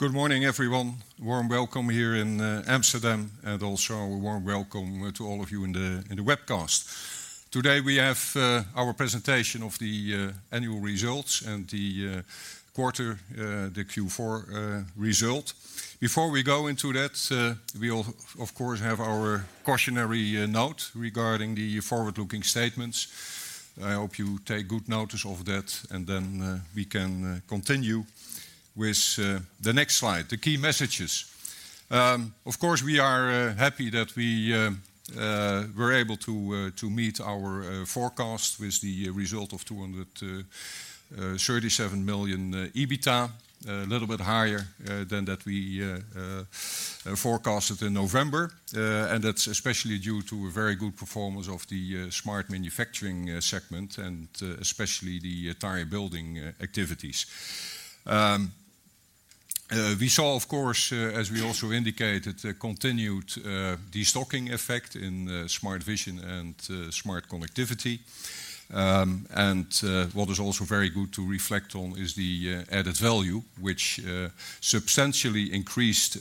Good morning, everyone. Warm welcome here in Amsterdam, and also a warm welcome to all of you in the webcast. Today we have our presentation of the annual results and the quarter, the Q4 result. Before we go into that, we will, of course, have our cautionary note regarding the forward-looking statements. I hope you take good notice of that, and then we can continue with the next slide, the key messages. Of course, we are happy that we were able to meet our forecast with the result of 237 million EBITDA, a little bit higher than that we forecasted in November. And that's especially due to a very good performance of the Smart Manufacturing segment, and especially the tire building activities. We saw, of course, as we also indicated, continued destocking effect in Smart Vision and Smart Connectivity. What is also very good to reflect on is the added value, which substantially increased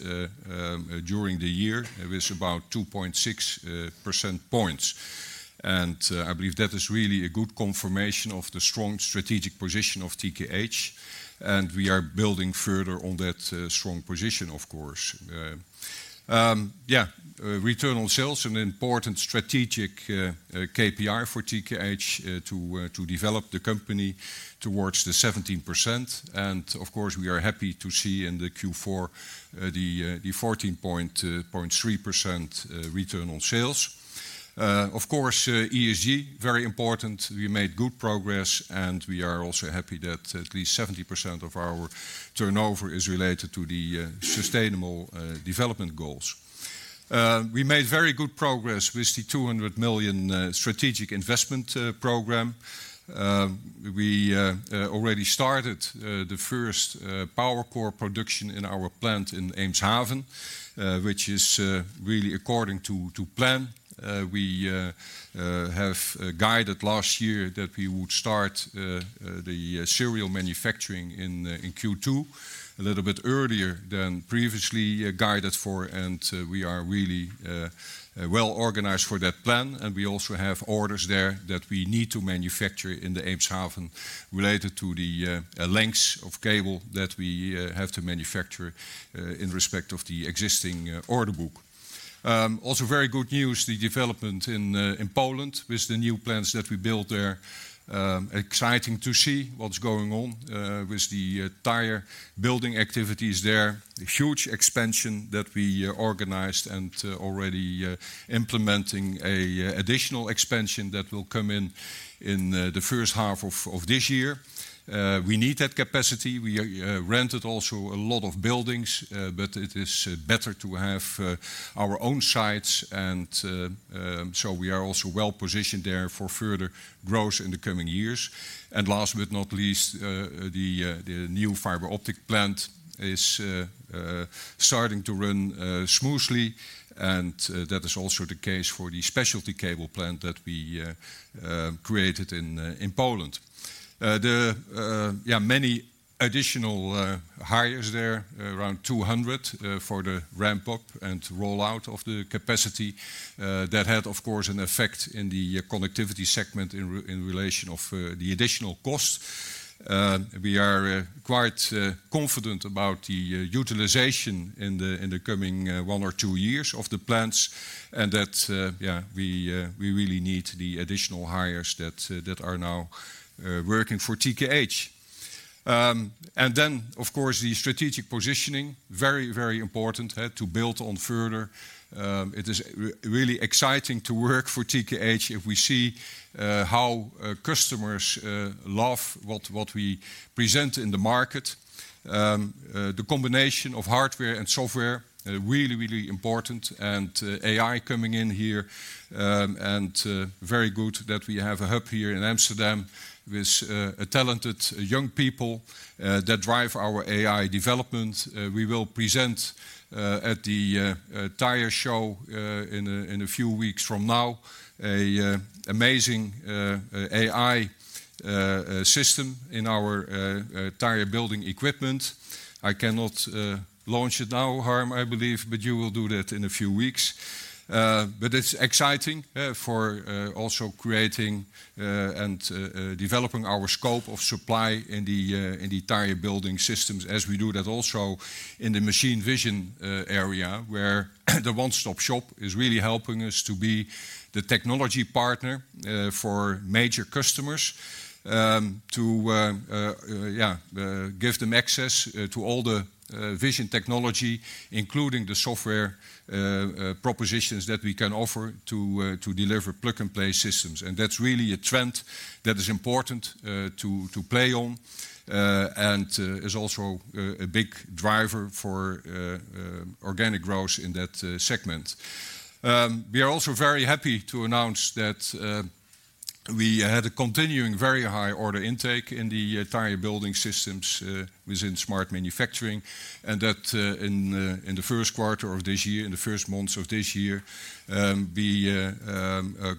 during the year with about 2.6 percent points. I believe that is really a good confirmation of the strong strategic position of TKH. We are building further on that strong position, of course. Yeah, return on sales, an important strategic KPI for TKH to develop the company towards the 17%. Of course, we are happy to see in the Q4 the 14.3% return on sales. Of course, ESG, very important. We made good progress, and we are also happy that at least 70% of our turnover is related to the Sustainable Development Goals. We made very good progress with the 200 million strategic investment program. We already started the first power core production in our plant in Eemshaven, which is really according to plan. We have guided last year that we would start the serial manufacturing in Q2 a little bit earlier than previously guided for, and we are really well organized for that plan. We also have orders there that we need to manufacture in the Eemshaven related to the lengths of cable that we have to manufacture in respect of the existing order book. Also very good news, the development in Poland with the new plants that we built there. Exciting to see what's going on with the tire building activities there, a huge expansion that we organized, and already implementing an additional expansion that will come in in the first half of this year. We need that capacity. We rented also a lot of buildings, but it is better to have our own sites. And so we are also well positioned there for further growth in the coming years. Last but not least, the new fiber optic plant is starting to run smoothly. That is also the case for the specialty cable plant that we created in Poland. Yeah, many additional hires there, around 200, for the ramp-up and rollout of the capacity. That had, of course, an effect in the connectivity segment in relation to the additional cost. We are quite confident about the utilization in the coming one or two years of the plants, and that we really need the additional hires that are now working for TKH. Then, of course, the strategic positioning, very, very important to build on further. It is really exciting to work for TKH if we see how customers love what we present in the market. The combination of hardware and software, really, really important. And AI coming in here. Very good that we have a hub here in Amsterdam with talented young people that drive our AI development. We will present at the tire show in a few weeks from now an amazing AI system in our tire building equipment. I cannot launch it now, Harm, I believe, but you will do that in a few weeks. But it's exciting for also creating and developing our scope of supply in the tire building systems, as we do that also in the machine vision area, where the one-stop shop is really helping us to be the technology partner for major customers, to give them access to all the vision technology, including the software propositions that we can offer to deliver plug-and-play systems. And that's really a trend that is important to play on and is also a big driver for organic growth in that segment. We are also very happy to announce that we had a continuing very high order intake in the tire building systems within smart manufacturing, and that in the first quarter of this year, in the first months of this year, we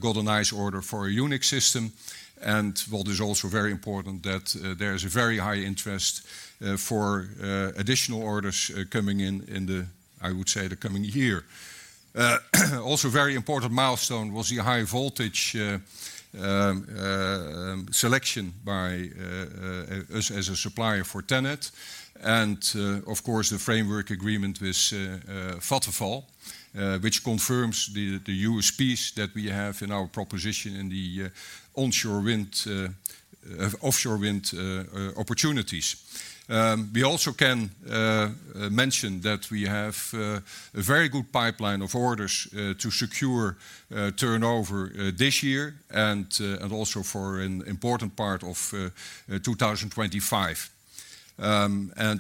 got a nice order for a unique system. What is also very important is that there is a very high interest for additional orders coming in in the, I would say, the coming year. Also, a very important milestone was the high voltage selection by us as a supplier for TenneT. Of course, the framework agreement with Vattenfall, which confirms the USPs that we have in our proposition in the onshore wind, offshore wind opportunities. We also can mention that we have a very good pipeline of orders to secure turnover this year and also for an important part of 2025.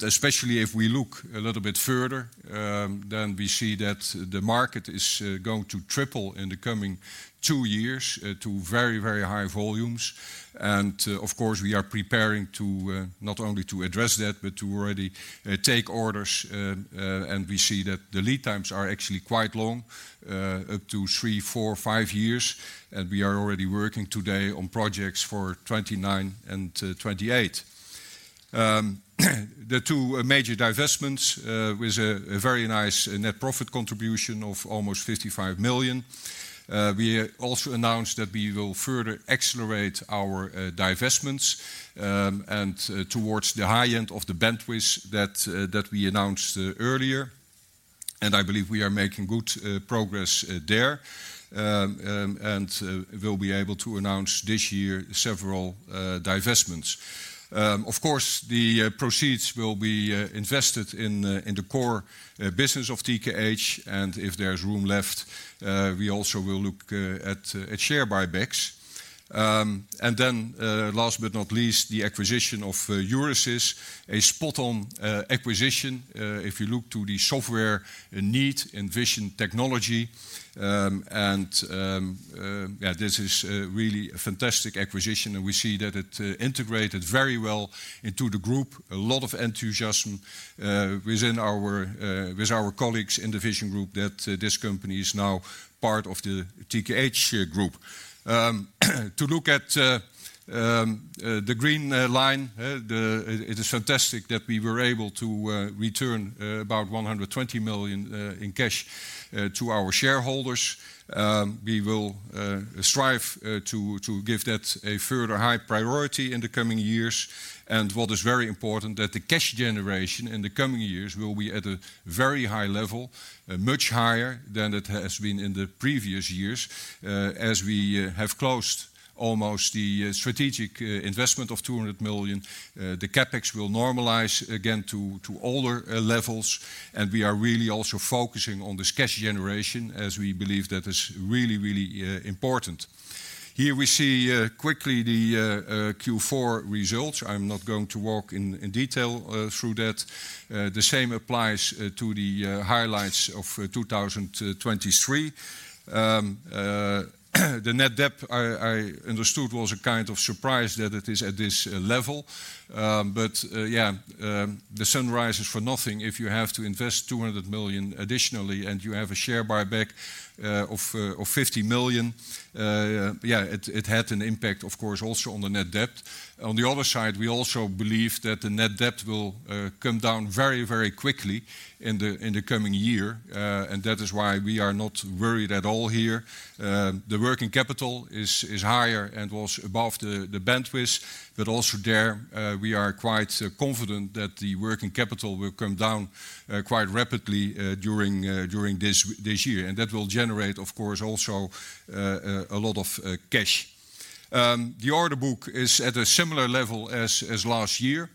Especially if we look a little bit further, then we see that the market is going to triple in the coming two years to very, very high volumes. Of course, we are preparing not only to address that, but to already take orders. We see that the lead times are actually quite long, up to three, four, five years. We are already working today on projects for 2029 and 2028. The two major divestments with a very nice net profit contribution of almost $55 million. We also announced that we will further accelerate our divestments towards the high end of the bandwidth that we announced earlier. I believe we are making good progress there and will be able to announce this year several divestments. Of course, the proceeds will be invested in the core business of TKH. If there is room left, we also will look at share buybacks. Then, last but not least, the acquisition of Euresys, a spot-on acquisition if you look to the software need in vision technology. This is really a fantastic acquisition. We see that it integrated very well into the group, a lot of enthusiasm with our colleagues in the Vision group that this company is now part of the TKH Group. To look at the green line, it is fantastic that we were able to return about $120 million in cash to our shareholders. We will strive to give that a further high priority in the coming years. What is very important, that the cash generation in the coming years will be at a very high level, much higher than it has been in the previous years. As we have closed almost the strategic investment of $200 million, the CapEx will normalize again to older levels. And we are really also focusing on this cash generation, as we believe that is really, really important. Here we see quickly the Q4 results. I'm not going to walk in detail through that. The same applies to the highlights of 2023. The net debt, I understood, was a kind of surprise that it is at this level. But yeah, the sun rises for nothing if you have to invest $200 million additionally, and you have a share buyback of $50 million. Yeah, it had an impact, of course, also on the net debt. On the other side, we also believe that the net debt will come down very, very quickly in the coming year. And that is why we are not worried at all here. The working capital is higher and was above the bandwidth. But also there, we are quite confident that the working capital will come down quite rapidly during this year. And that will generate, of course, also a lot of cash. The order book is at a similar level as last year.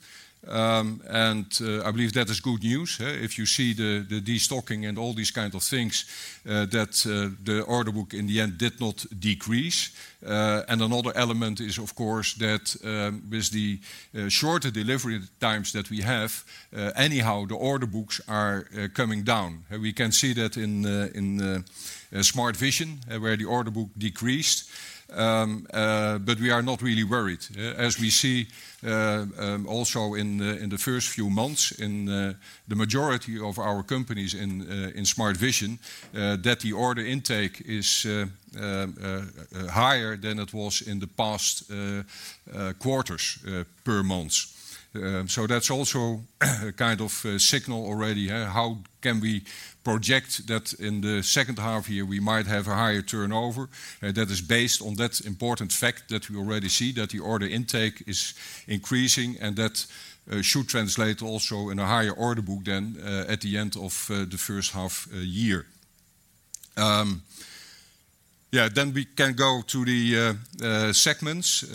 And I believe that is good news. If you see the destocking and all these kinds of things, that the order book in the end did not decrease. And another element is, of course, that with the shorter delivery times that we have, anyhow, the order books are coming down. We can see that in Smart Vision, where the order book decreased. But we are not really worried. As we see also in the first few months in the majority of our companies in Smart Vision, that the order intake is higher than it was in the past quarters per month. So that's also a kind of signal already. How can we project that in the second half of the year we might have a higher turnover? That is based on that important fact that we already see, that the order intake is increasing, and that should translate also in a higher order book then at the end of the first half of the year. Yeah, then we can go to the segments.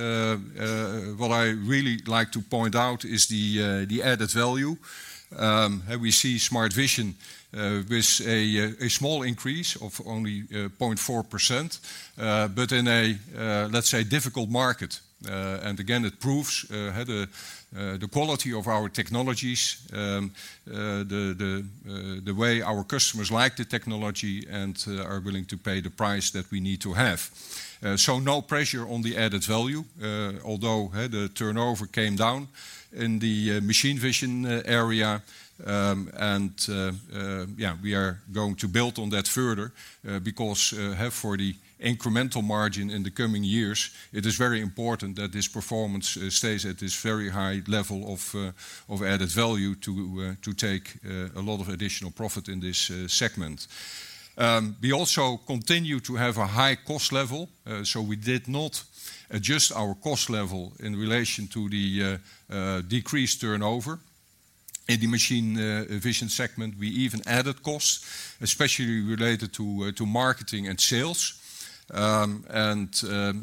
What I really like to point out is the Added value. We see Smart Vision with a small increase of only 0.4%, but in a, let's say, difficult market. It proves the quality of our technologies, the way our customers like the technology, and are willing to pay the price that we need to have. No pressure on the added value, although the turnover came down in the machine vision area. Yeah, we are going to build on that further. Because for the incremental margin in the coming years, it is very important that this performance stays at this very high level of added value to take a lot of additional profit in this segment. We also continue to have a high cost level. We did not adjust our cost level in relation to the decreased turnover. In the machine vision segment, we even added costs, especially related to marketing and sales.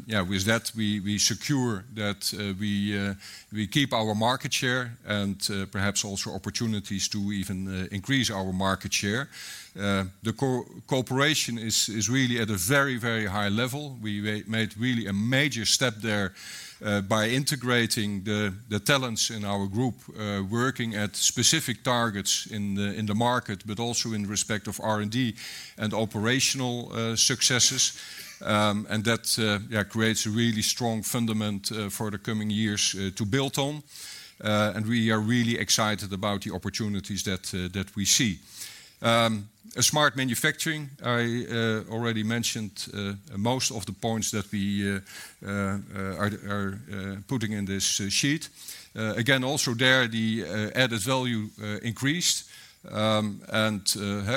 Yeah, with that, we secure that we keep our market share and perhaps also opportunities to even increase our market share. The cooperation is really at a very, very high level. We made really a major step there by integrating the talents in our group, working at specific targets in the market, but also in respect of R&D and operational successes. That creates a really strong fundament for the coming years to build on. We are really excited about the opportunities that we see. Smart Manufacturing, I already mentioned most of the points that we are putting in this sheet. Again, also there, the added value increased. And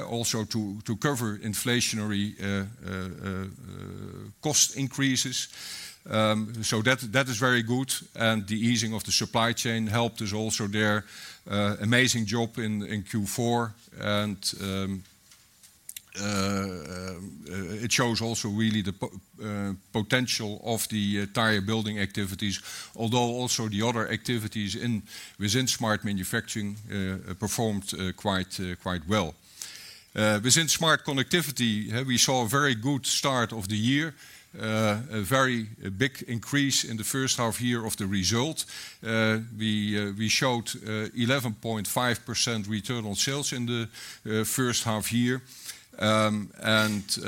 also to cover inflationary cost increases. So that is very good. The easing of the supply chain helped us also there. Amazing job in Q4. It shows also really the potential of the tire building activities, although also the other activities within Smart Manufacturing performed quite well. Within Smart Connectivity, we saw a very good start of the year, a very big increase in the first half year of the result. We showed 11.5% return on sales in the first half year. And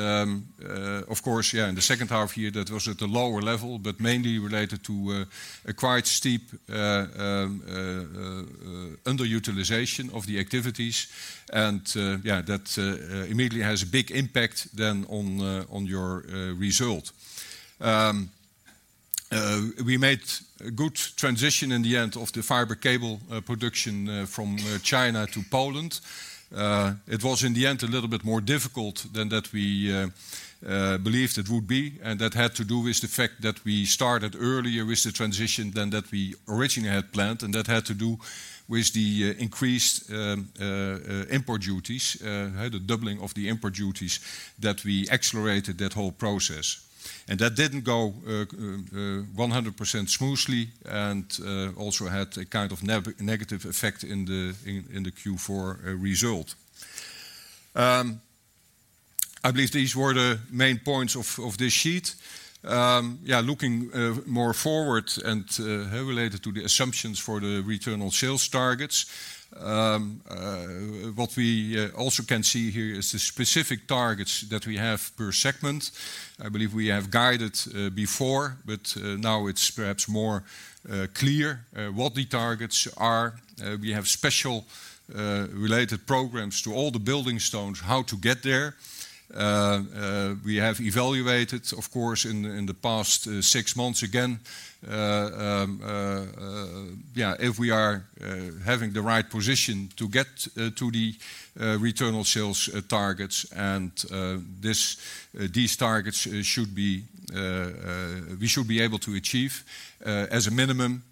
of course, yeah, in the second half year, that was at the lower level, but mainly related to a quite steep underutilization of the activities. And yeah, that immediately has a big impact then on your result. We made a good transition in the end of the fiber cable production from China to Poland. It was, in the end, a little bit more difficult than that we believed it would be. And that had to do with the fact that we started earlier with the transition than that we originally had planned. And that had to do with the increased import duties, the doubling of the import duties, that we accelerated that whole process. That didn't go 100% smoothly and also had a kind of negative effect in the Q4 result. I believe these were the main points of this sheet. Yeah, looking more forward and related to the assumptions for the return on sales targets, what we also can see here is the specific targets that we have per segment. I believe we have guided before, but now it's perhaps more clear what the targets are. We have special related programs to all the building stones, how to get there. We have evaluated, of course, in the past six months again, yeah, if we are having the right position to get to the return on sales targets. And these targets should be we should be able to achieve. As a minimum,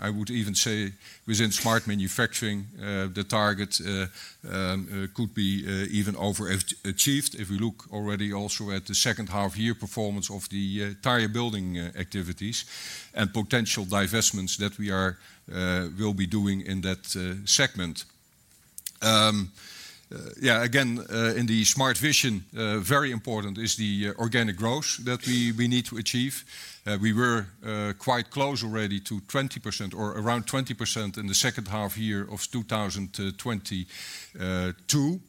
I would even say within Smart Manufacturing, the target could be even overachieved if we look already also at the second half year performance of the tire building activities and potential divestments that we will be doing in that segment. Yeah, again, in the Smart Vision, very important is the organic growth that we need to achieve. We were quite close already to 20% or around 20% in the second half year of 2022.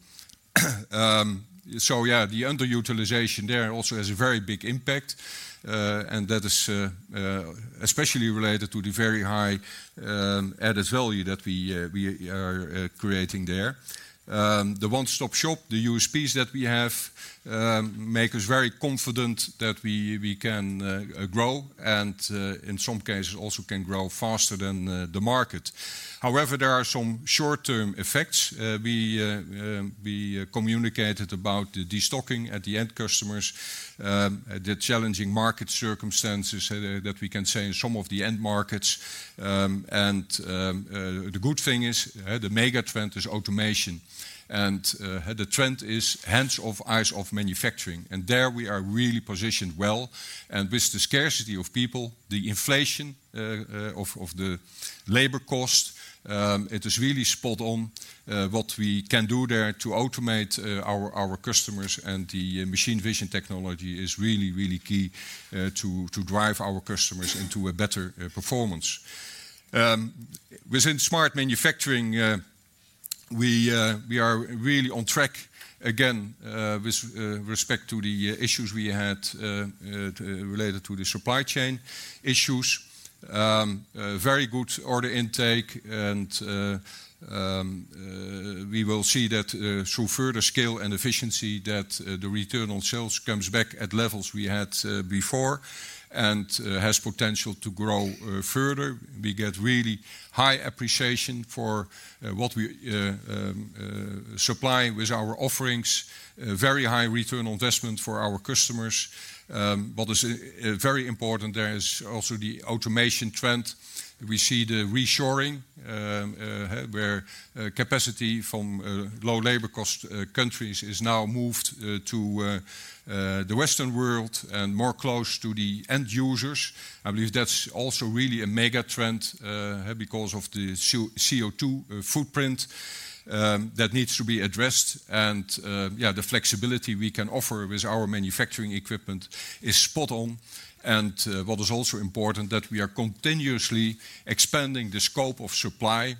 So yeah, the underutilization there also has a very big impact. And that is especially related to the very high Added Value that we are creating there. The one-stop shop, the USPs that we have, make us very confident that we can grow and, in some cases, also can grow faster than the market. However, there are some short-term effects. We communicated about the destocking at the end customers, the challenging market circumstances that we can say in some of the end markets. The good thing is, the megatrend is automation. The trend is hands-off, eyes-off manufacturing. There we are really positioned well. With the scarcity of people, the inflation of the labor cost, it is really spot-on. What we can do there to automate our customers and the machine vision technology is really, really key to drive our customers into a better performance. Within Smart Manufacturing, we are really on track again with respect to the issues we had related to the supply chain issues. Very good order intake. We will see that through further scale and efficiency, that the return on sales comes back at levels we had before and has potential to grow further. We get really high appreciation for what we supply with our offerings, very high return on investment for our customers. What is very important there is also the automation trend. We see the reshoring, where capacity from low labor cost countries is now moved to the Western world and more close to the end users. I believe that's also really a megatrend because of the CO2 footprint that needs to be addressed. And yeah, the flexibility we can offer with our manufacturing equipment is spot-on. And what is also important, that we are continuously expanding the scope of supply.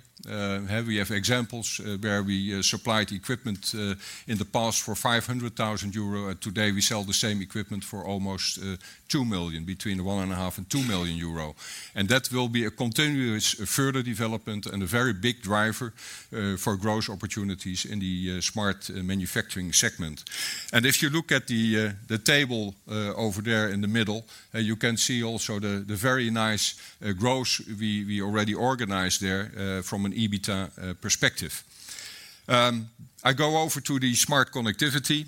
We have examples where we supplied equipment in the past for 500,000 euro. Today, we sell the same equipment for almost 2 million, between 1 and 1.5 and 2 million euro. And that will be a continuous further development and a very big driver for growth opportunities in the smart manufacturing segment. If you look at the table over there in the middle, you can see also the very nice growth we already organized there from an EBITDA perspective. I go over to the Smart Connectivity.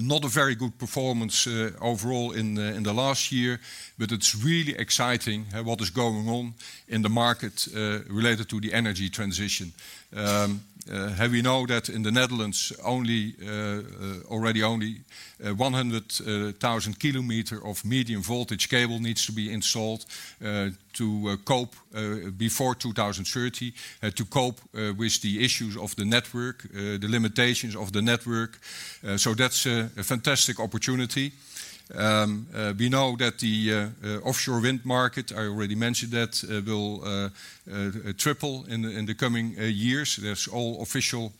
Not a very good performance overall in the last year. But it's really exciting what is going on in the market related to the energy transition. We know that in the Netherlands, already only 100,000 kilometers of medium voltage cable needs to be installed to cope before 2030, to cope with the issues of the network, the limitations of the network. So that's a fantastic opportunity. We know that the offshore wind market, I already mentioned that, will triple in the coming years. There's all official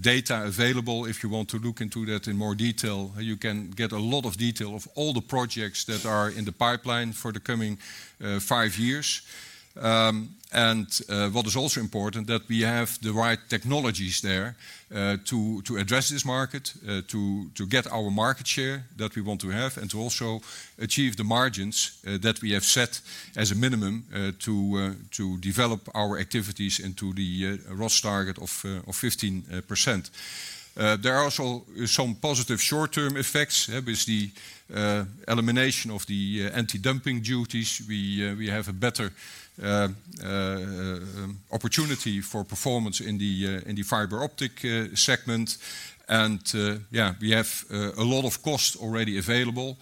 data available. If you want to look into that in more detail, you can get a lot of detail of all the projects that are in the pipeline for the coming five years. And what is also important, that we have the right technologies there to address this market, to get our market share that we want to have, and to also achieve the margins that we have set as a minimum to develop our activities into the ROS target of 15%. There are also some positive short-term effects. With the elimination of the anti-dumping duties, we have a better opportunity for performance in the fiber optic segment. And yeah, we have a lot of cost already available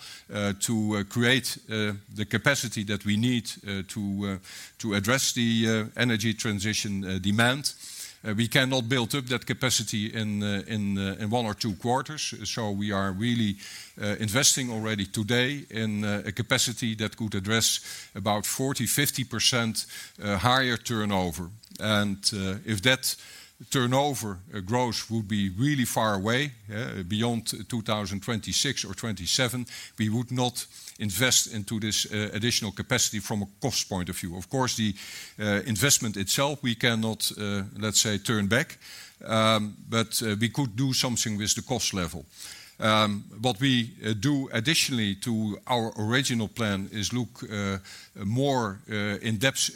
to create the capacity that we need to address the energy transition demand. We cannot build up that capacity in one or two quarters. So we are really investing already today in a capacity that could address about 40%-50% higher turnover. If that turnover growth would be really far away, beyond 2026 or 2027, we would not invest into this additional capacity from a cost point of view. Of course, the investment itself, we cannot, let's say, turn back. But we could do something with the cost level. What we do additionally to our original plan is look more in depth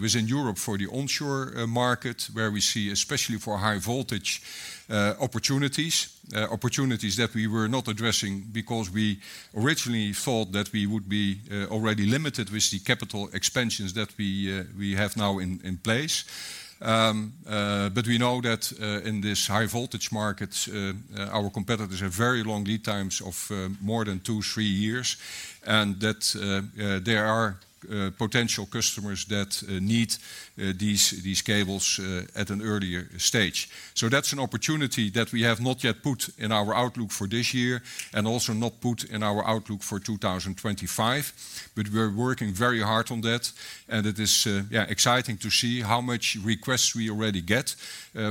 within Europe for the onshore market, where we see, especially for high voltage opportunities, opportunities that we were not addressing because we originally thought that we would be already limited with the capital expansions that we have now in place. But we know that in this high voltage market, our competitors have very long lead times of more than 2-3 years. And that there are potential customers that need these cables at an earlier stage. So that's an opportunity that we have not yet put in our outlook for this year and also not put in our outlook for 2025. But we're working very hard on that. And it is exciting to see how much requests we already get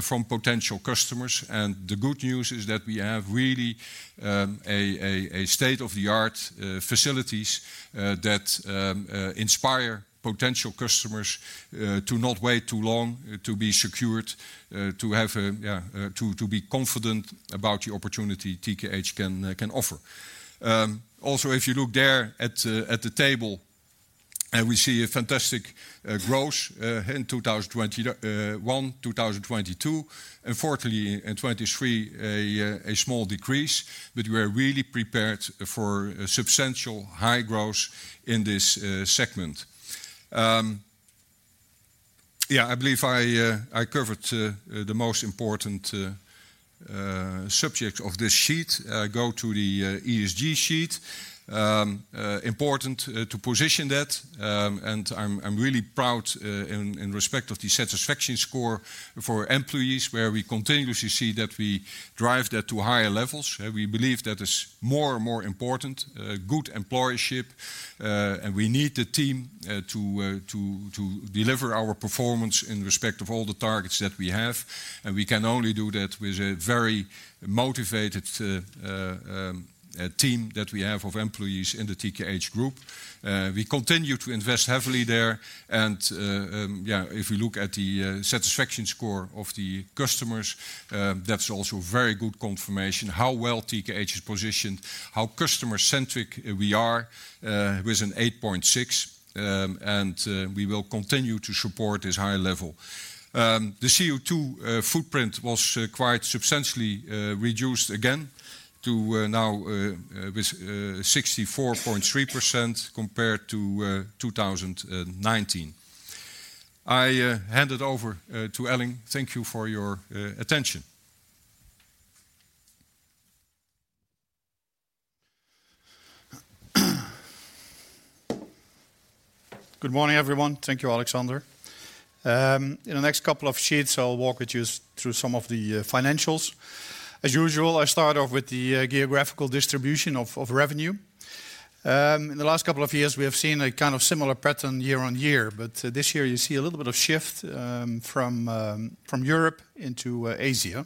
from potential customers. And the good news is that we have really a state-of-the-art facilities that inspire potential customers to not wait too long to be secured, to be confident about the opportunity TKH can offer. Also, if you look there at the table, we see a fantastic growth in 2021, 2022. And fortunately, in 2023, a small decrease. But we are really prepared for substantial high growth in this segment. Yeah, I believe I covered the most important subjects of this sheet. Go to the ESG sheet. Important to position that. And I'm really proud in respect of the satisfaction score for employees, where we continuously see that we drive that to higher levels. We believe that is more and more important, good employership. And we need the team to deliver our performance in respect of all the targets that we have. And we can only do that with a very motivated team that we have of employees in the TKH Group. We continue to invest heavily there. And yeah, if we look at the satisfaction score of the customers, that's also very good confirmation how well TKH is positioned, how customer-centric we are with an 8.6. And we will continue to support this high level. The CO2 footprint was quite substantially reduced again to now with 64.3% compared to 2019. I hand it over to Elling. Thank you for your attention. Good morning, everyone. Thank you, Alexander. In the next couple of sheets, I'll walk with you through some of the financials. As usual, I start off with the geographical distribution of revenue. In the last couple of years, we have seen a kind of similar pattern year-on-year. But this year, you see a little bit of shift from Europe into Asia.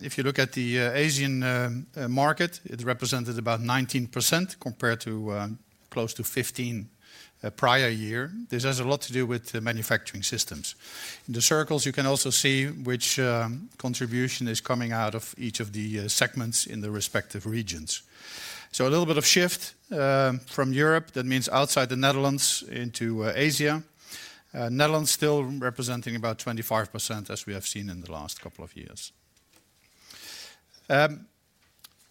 If you look at the Asian market, it represented about 19% compared to close to 15% prior year. This has a lot to do with manufacturing systems. In the circles, you can also see which contribution is coming out of each of the segments in the respective regions. So a little bit of shift from Europe, that means outside the Netherlands, into Asia. Netherlands still representing about 25% as we have seen in the last couple of years.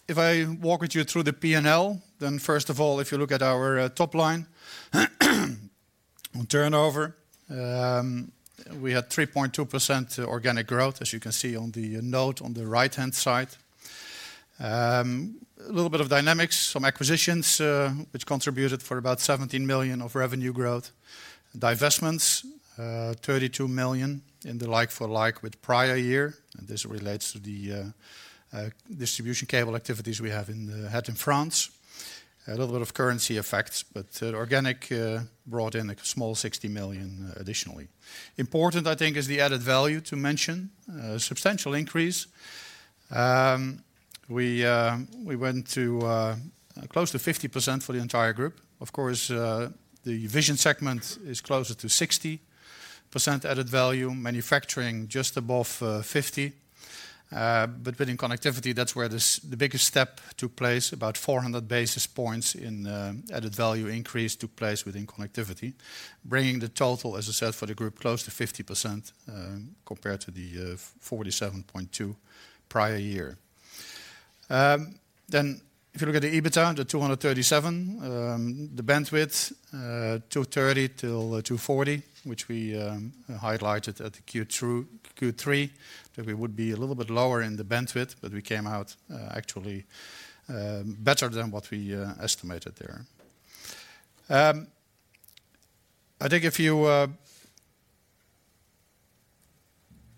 If I walk with you through the P&L, then first of all, if you look at our top line on turnover, we had 3.2% organic growth, as you can see on the note on the right-hand side. A little bit of dynamics, some acquisitions, which contributed for about 17 million of revenue growth. Divestments, 32 million in the like-for-like with prior year. And this relates to the distribution cable activities we had in France. A little bit of currency effects. But organic brought in a small 60 million additionally. Important, I think, is the added value to mention, substantial increase. We went close to 50% for the entire group. Of course, the vision segment is closer to 60% added value, manufacturing just above 50%. But within connectivity, that's where the biggest step took place, about 400 basis points in added value increase took place within connectivity, bringing the total, as I said, for the group close to 50% compared to the 47.2% prior year. Then if you look at the EBITDA, the 237%, the bandwidth, 230%-240%, which we highlighted at the Q3, that we would be a little bit lower in the bandwidth. But we came out actually better than what we estimated there. I think if you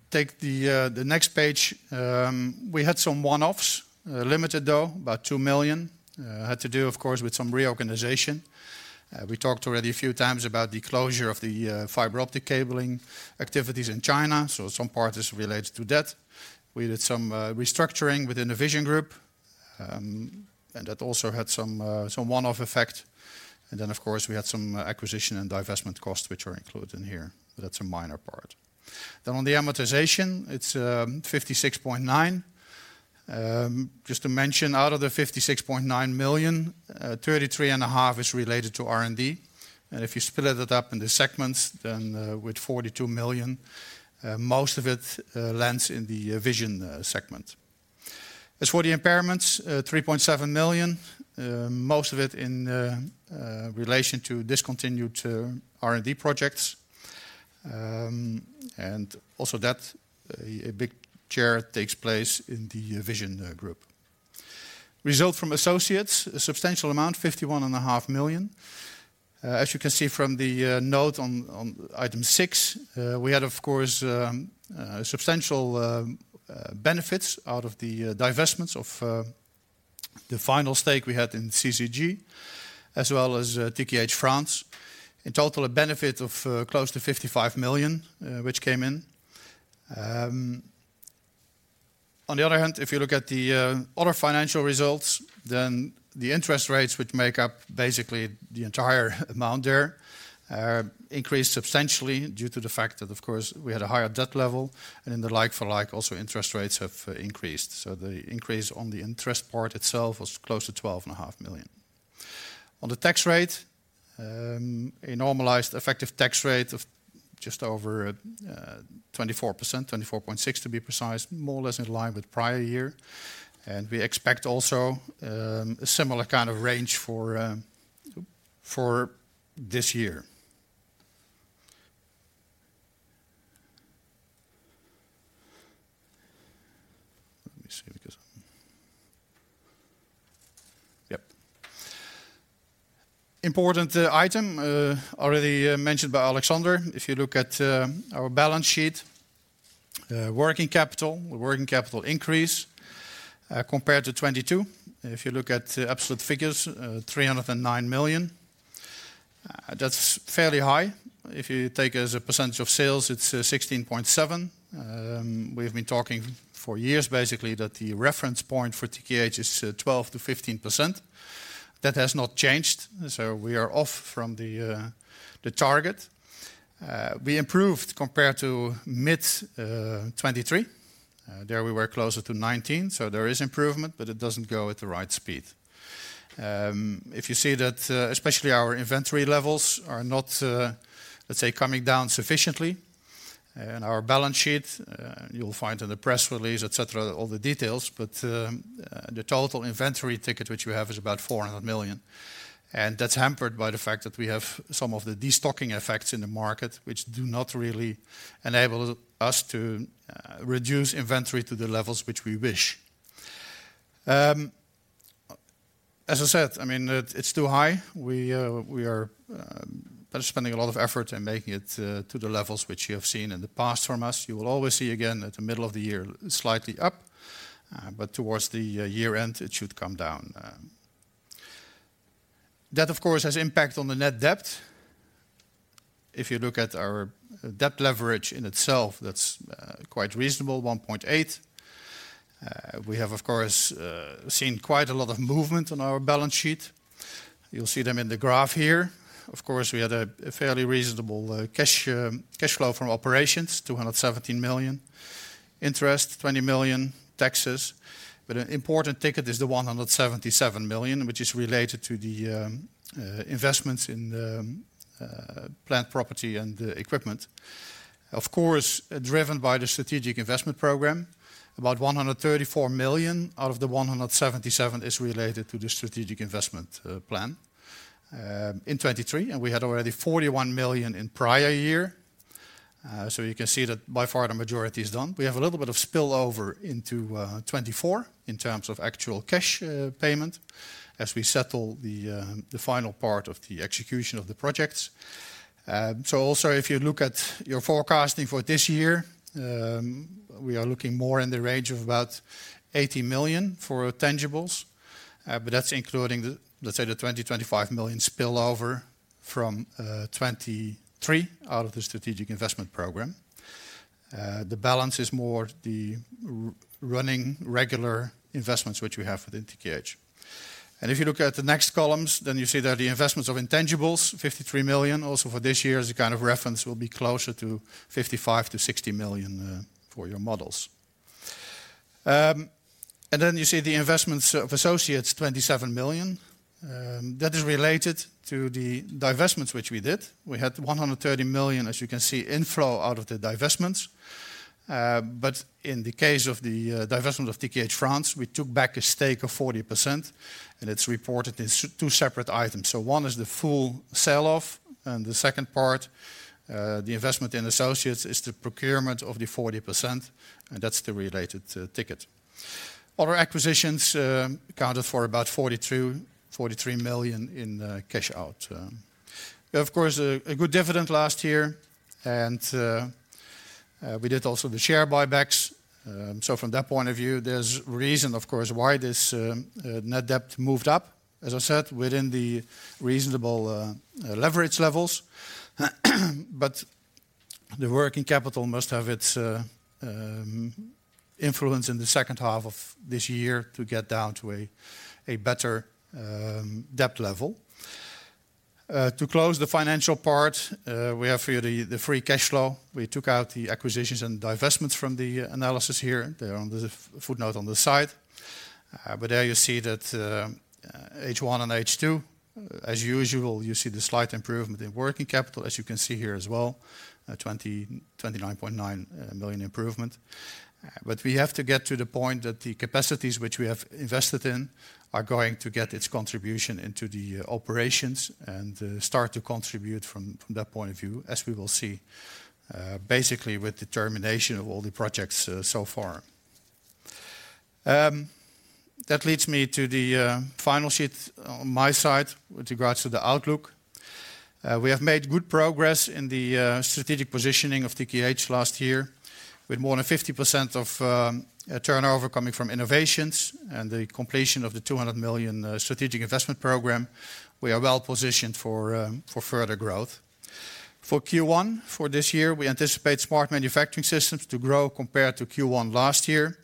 take the next page, we had some one-offs, limited, though, about 2 million. Had to do, of course, with some reorganization. We talked already a few times about the closure of the fiber optic cabling activities in China. So some part is related to that. We did some restructuring within the Vision Group. And that also had some one-off effect. And then, of course, we had some acquisition and divestment costs, which are included in here. But that's a minor part. Then on the amortization, it's 56.9%. Just to mention, out of the 56.9 million, 33.5 is related to R&D. And if you split it up in the segments, then with 42 million, most of it lands in the vision segment. As for the impairments, 3.7 million, most of it in relation to discontinued R&D projects. And also that, a big share takes place in the vision group. Result from associates, a substantial amount, 51.5 million. As you can see from the note on item six, we had, of course, substantial benefits out of the divestments of the final stake we had in CCG, as well as TKH France. In total, a benefit of close to 55 million, which came in. On the other hand, if you look at the other financial results, then the interest rates, which make up basically the entire amount there, increased substantially due to the fact that, of course, we had a higher debt level. In the like-for-like, also interest rates have increased. So the increase on the interest part itself was close to 12.5 million. On the tax rate, a normalized effective tax rate of just over 24%, 24.6% to be precise, more or less in line with prior year. We expect also a similar kind of range for this year. Important item, already mentioned by Alexander. If you look at our balance sheet, working capital, the working capital increase compared to 2022. If you look at absolute figures, 309 million. That's fairly high. If you take as a percentage of sales, it's 16.7%. We have been talking for years, basically, that the reference point for TKH is 12%-15%. That has not changed. So we are off from the target. We improved compared to mid-2023. There we were closer to 19%. So there is improvement. But it doesn't go at the right speed. If you see that especially our inventory levels are not, let's say, coming down sufficiently. And our balance sheet, you'll find in the press release, et cetera, all the details. But the total inventory ticket, which we have, is about 400 million. And that's hampered by the fact that we have some of the destocking effects in the market, which do not really enable us to reduce inventory to the levels which we wish. As I said, I mean, it's too high. We are spending a lot of effort in making it to the levels which you have seen in the past from us. You will always see again at the middle of the year slightly up. But towards the year-end, it should come down. That, of course, has impact on the net debt. If you look at our debt leverage in itself, that's quite reasonable, 1.8%. We have, of course, seen quite a lot of movement on our balance sheet. You'll see them in the graph here. Of course, we had a fairly reasonable cash flow from operations, 217 million, interest, 20 million, taxes. But an important item is the 177 million, which is related to the investments in plant property and equipment. Of course, driven by the strategic investment program, about 134 million out of the 177 million is related to the strategic investment plan in 2023. We had already 41 million in prior year. So you can see that by far, the majority is done. We have a little bit of spillover into 2024 in terms of actual cash payment as we settle the final part of the execution of the projects. So also, if you look at your forecasting for this year, we are looking more in the range of about 80 million for tangibles. But that's including, let's say, the 20-25 million spillover from 2023 out of the strategic investment program. The balance is more the running regular investments, which we have within TKH. And if you look at the next columns, then you see that the investments of intangibles, 53 million, also for this year, as a kind of reference, will be closer to 55-60 million for your models. And then you see the investments of associates, 27 million. That is related to the divestments, which we did. We had 130 million, as you can see, inflow out of the divestments. But in the case of the divestment of TKH France, we took back a stake of 40%. And it's reported in two separate items. So one is the full selloff. And the second part, the investment in associates, is the procurement of the 40%. And that's the related ticket. Other acquisitions accounted for about 43 million in cash out. Of course, a good dividend last year. And we did also the share buybacks. So from that point of view, there's reason, of course, why this net debt moved up, as I said, within the reasonable leverage levels. But the working capital must have its influence in the second half of this year to get down to a better debt level. To close the financial part, we have here the free cash flow. We took out the acquisitions and divestments from the analysis here. They are on the footnote on the side. But there you see that H1 and H2, as usual, you see the slight improvement in working capital, as you can see here as well, 29.9 million improvement. But we have to get to the point that the capacities, which we have invested in, are going to get its contribution into the operations and start to contribute from that point of view, as we will see, basically, with determination of all the projects so far. That leads me to the final sheet on my side with regards to the outlook. We have made good progress in the strategic positioning of TKH last year, with more than 50% of turnover coming from innovations and the completion of the 200 million strategic investment program. We are well positioned for further growth. For Q1 for this year, we anticipate Smart Manufacturing Systems to grow compared to Q1 last year.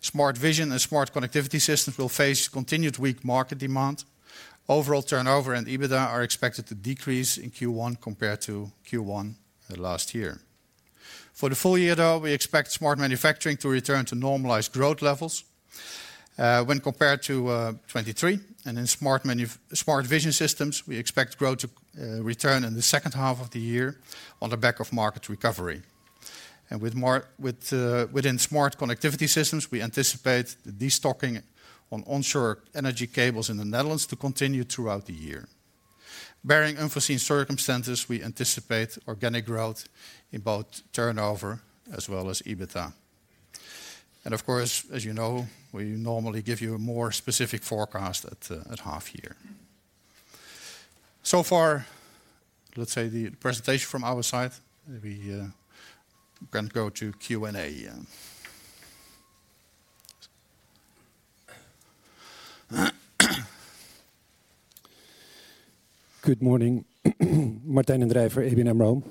Smart Vision and Smart Connectivity Systems will face continued weak market demand. Overall turnover and EBITDA are expected to decrease in Q1 compared to Q1 last year. For the full year, though, we expect Smart Manufacturing to return to normalized growth levels when compared to 2023. And in Smart Vision Systems, we expect growth to return in the second half of the year on the back of market recovery. And within Smart Connectivity Systems, we anticipate the destocking on onshore energy cables in the Netherlands to continue throughout the year. Barring unforeseen circumstances, we anticipate organic growth in both turnover as well as EBITDA. Of course, as you know, we normally give you a more specific forecast at half year. So far, let's say the presentation from our side. We can go to Q&A. Good morning. Martijn den Drijver, ABN AMRO.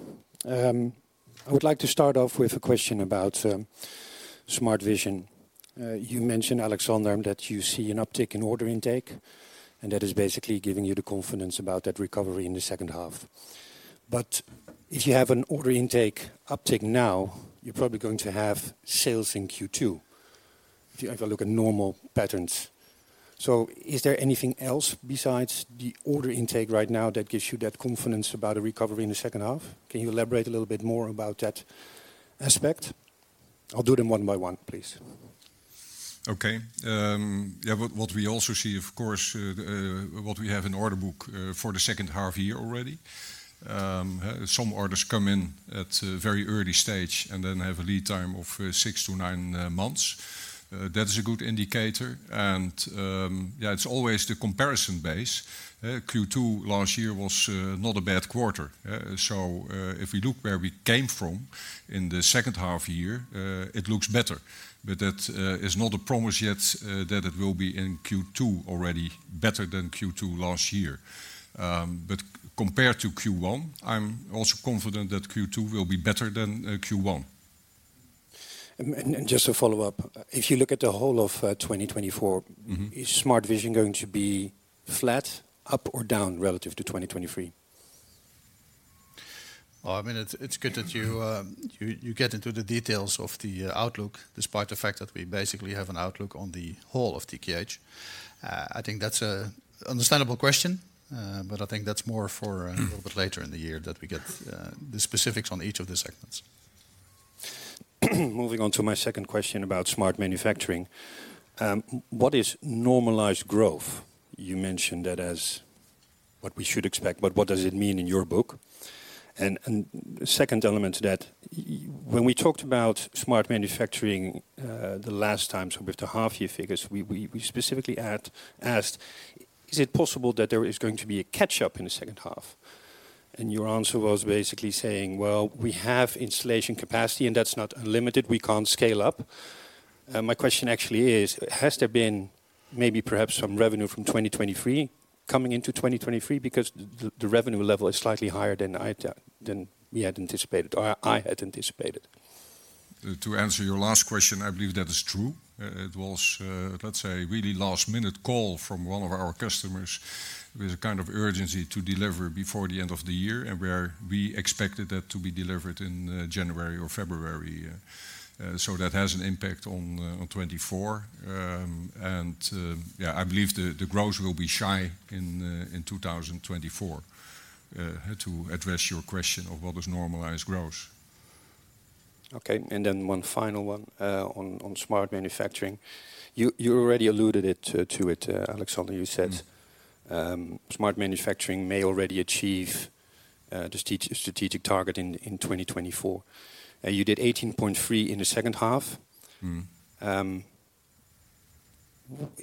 I would like to start off with a question about Smart Vision. You mentioned, Alexander, that you see an uptick in order intake. That is basically giving you the confidence about that recovery in the second half. If you have an order intake uptick now, you're probably going to have sales in Q2 if you look at normal patterns. Is there anything else besides the order intake right now that gives you that confidence about a recovery in the second half? Can you elaborate a little bit more about that aspect? I'll do them one by one, please. OK. Yeah, what we also see, of course, what we have in order book for the second half year already, some orders come in at a very early stage and then have a lead time of 6-9 months. That is a good indicator. Yeah, it's always the comparison base. Q2 last year was not a bad quarter. So if we look where we came from in the second half year, it looks better. But that is not a promise yet that it will be in Q2 already better than Q2 last year. But compared to Q1, I'm also confident that Q2 will be better than Q1. Just to follow up, if you look at the whole of 2024, is Smart Vision going to be flat, up, or down relative to 2023? Well, I mean, it's good that you get into the details of the outlook despite the fact that we basically have an outlook on the whole of TKH. I think that's an understandable question. But I think that's more for a little bit later in the year that we get the specifics on each of the segments. Moving on to my second question about Smart Manufacturing, what is normalized growth? You mentioned that as what we should expect. But what does it mean in your book? And the second element to that, when we talked about Smart Manufacturing the last time, so with the half-year figures, we specifically asked, is it possible that there is going to be a catch-up in the second half? And your answer was basically saying, well, we have installation capacity. And that's not unlimited. We can't scale up. My question actually is, has there been maybe perhaps some revenue from 2023 coming into 2023 because the revenue level is slightly higher than we had anticipated or I had anticipated? To answer your last question, I believe that is true. It was, let's say, a really last-minute call from one of our customers with a kind of urgency to deliver before the end of the year and where we expected that to be delivered in January or February. So that has an impact on 2024. And yeah, I believe the growth will be shy in 2024 to address your question of what is normalized growth. OK. And then one final one on smart manufacturing. You already alluded to it, Alexander. You said smart manufacturing may already achieve the strategic target in 2024. And you did 18.3% in the second half.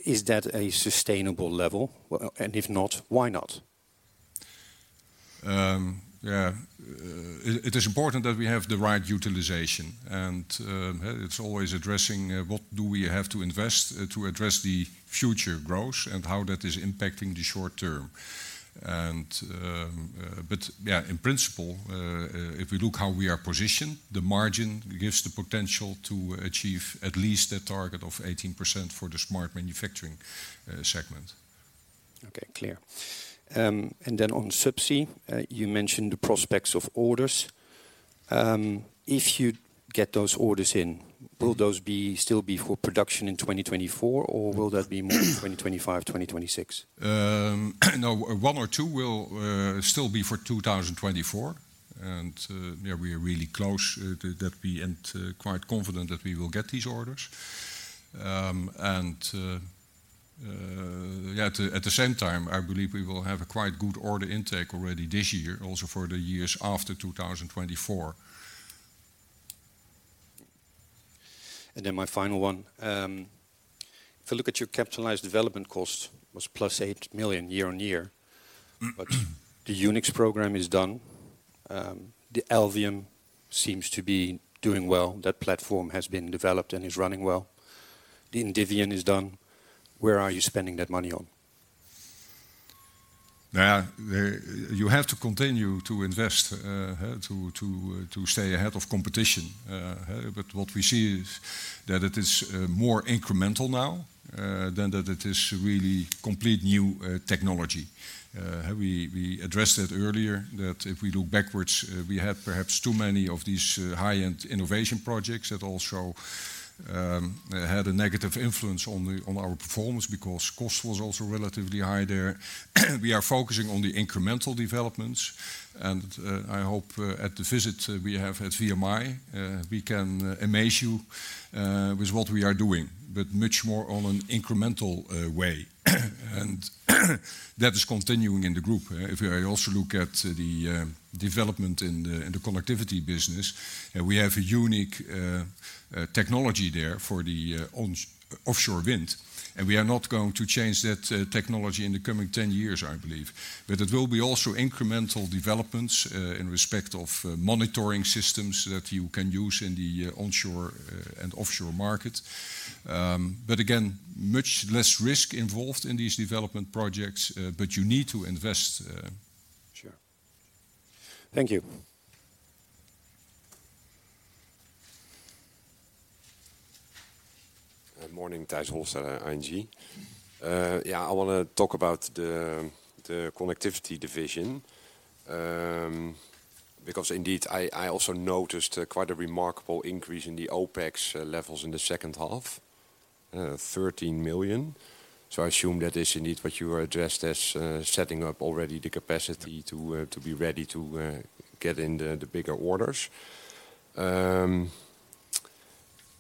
Is that a sustainable level? And if not, why not? Yeah, it is important that we have the right utilization. And it's always addressing what do we have to invest to address the future growth and how that is impacting the short term. But yeah, in principle, if we look how we are positioned, the margin gives the potential to achieve at least that target of 18% for the Smart Manufacturing segment. OK, clear. And then on subsidy, you mentioned the prospects of orders. If you get those orders in, will those still be for production in 2024? Or will that be more in 2025, 2026? No, one or two will still be for 2024. And yeah, we are really close that we and quite confident that we will get these orders. And yeah, at the same time, I believe we will have a quite good order intake already this year, also for the years after 2024. Then my final one. If you look at your capitalized development cost, it was +8 million year-over-year. But the UNIXX program is done. The Alvium seems to be doing well. That platform has been developed and is running well. The Indivion is done. Where are you spending that money on? Now, you have to continue to invest to stay ahead of competition. But what we see is that it is more incremental now than that it is really complete new technology. We addressed that earlier, that if we look backwards, we had perhaps too many of these high-end innovation projects that also had a negative influence on our performance because cost was also relatively high there. We are focusing on the incremental developments. And I hope at the visit we have at VMI, we can amaze you with what we are doing, but much more on an incremental way. And that is continuing in the group. If I also look at the development in the connectivity business, we have a unique technology there for the offshore wind. And we are not going to change that technology in the coming 10 years, I believe. But it will be also incremental developments in respect of monitoring systems that you can use in the onshore and offshore market. But again, much less risk involved in these development projects. But you need to invest. Sure. Thank you. Good morning. Thijs Holstelle, ING. Yeah, I want to talk about the connectivity division because indeed, I also noticed quite a remarkable increase in the OpEx levels in the second half, 13 million. So I assume that is indeed what you addressed as setting up already the capacity to be ready to get in the bigger orders.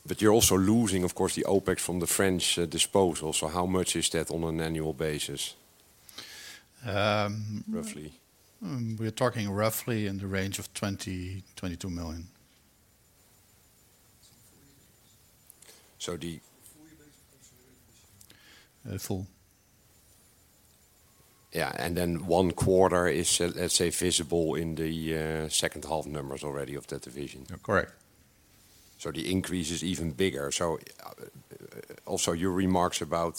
But you're also losing, of course, the OpEx from the French disposal. So how much is that on an annual basis, roughly? We are talking roughly in the range of 20-22 million. Yeah, and then one quarter is, let's say, visible in the second half numbers already of that division. Correct. So the increase is even bigger. So also your remarks about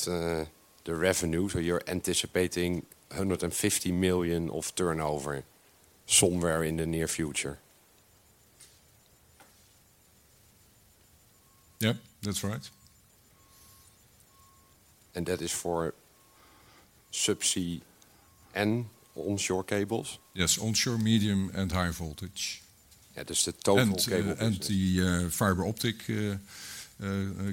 the revenue. So you're anticipating 150 million of turnover somewhere in the near future. Yeah, that's right. That is for subsea and onshore cables? Yes, onshore, medium, and high voltage. Yeah, that's the total cables and. The fiber optic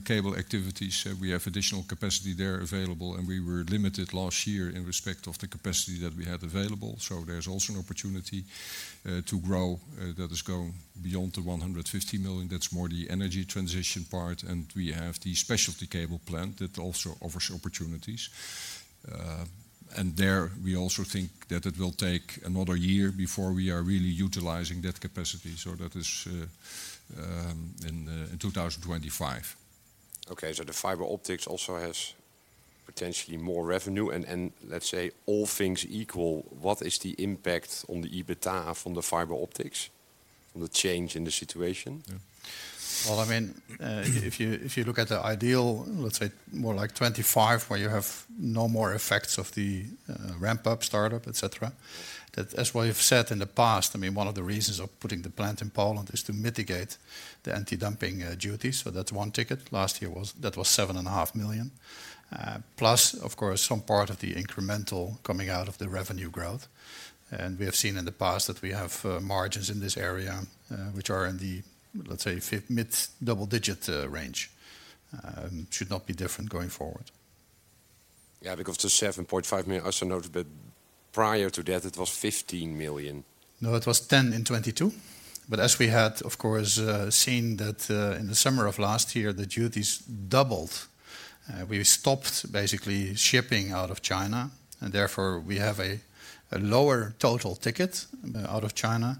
cable activities. We have additional capacity there available. We were limited last year in respect of the capacity that we had available. So there's also an opportunity to grow that is going beyond the 150 million. That's more the energy transition part. We have the specialty cable plant that also offers opportunities. There, we also think that it will take another year before we are really utilizing that capacity. So that is in 2025. OK, so the fiber optics also has potentially more revenue. And let's say, all things equal, what is the impact on the EBITDA from the fiber optics, on the change in the situation? Well, I mean, if you look at the ideal, let's say, more like 2025, where you have no more effects of the ramp-up startup, et cetera, that as we've said in the past, I mean, one of the reasons of putting the plant in Poland is to mitigate the anti-dumping duties. So that's one ticket. Last year, that was 7.5 million, plus, of course, some part of the incremental coming out of the revenue growth. And we have seen in the past that we have margins in this area which are in the, let's say, mid-double-digit range. Should not be different going forward. Yeah, because the 7.5 million, I also noticed. But prior to that, it was 15 million. No, it was 10 in 2022. But as we had, of course, seen that in the summer of last year, the duties doubled. We stopped basically shipping out of China. And therefore, we have a lower total take-out of China.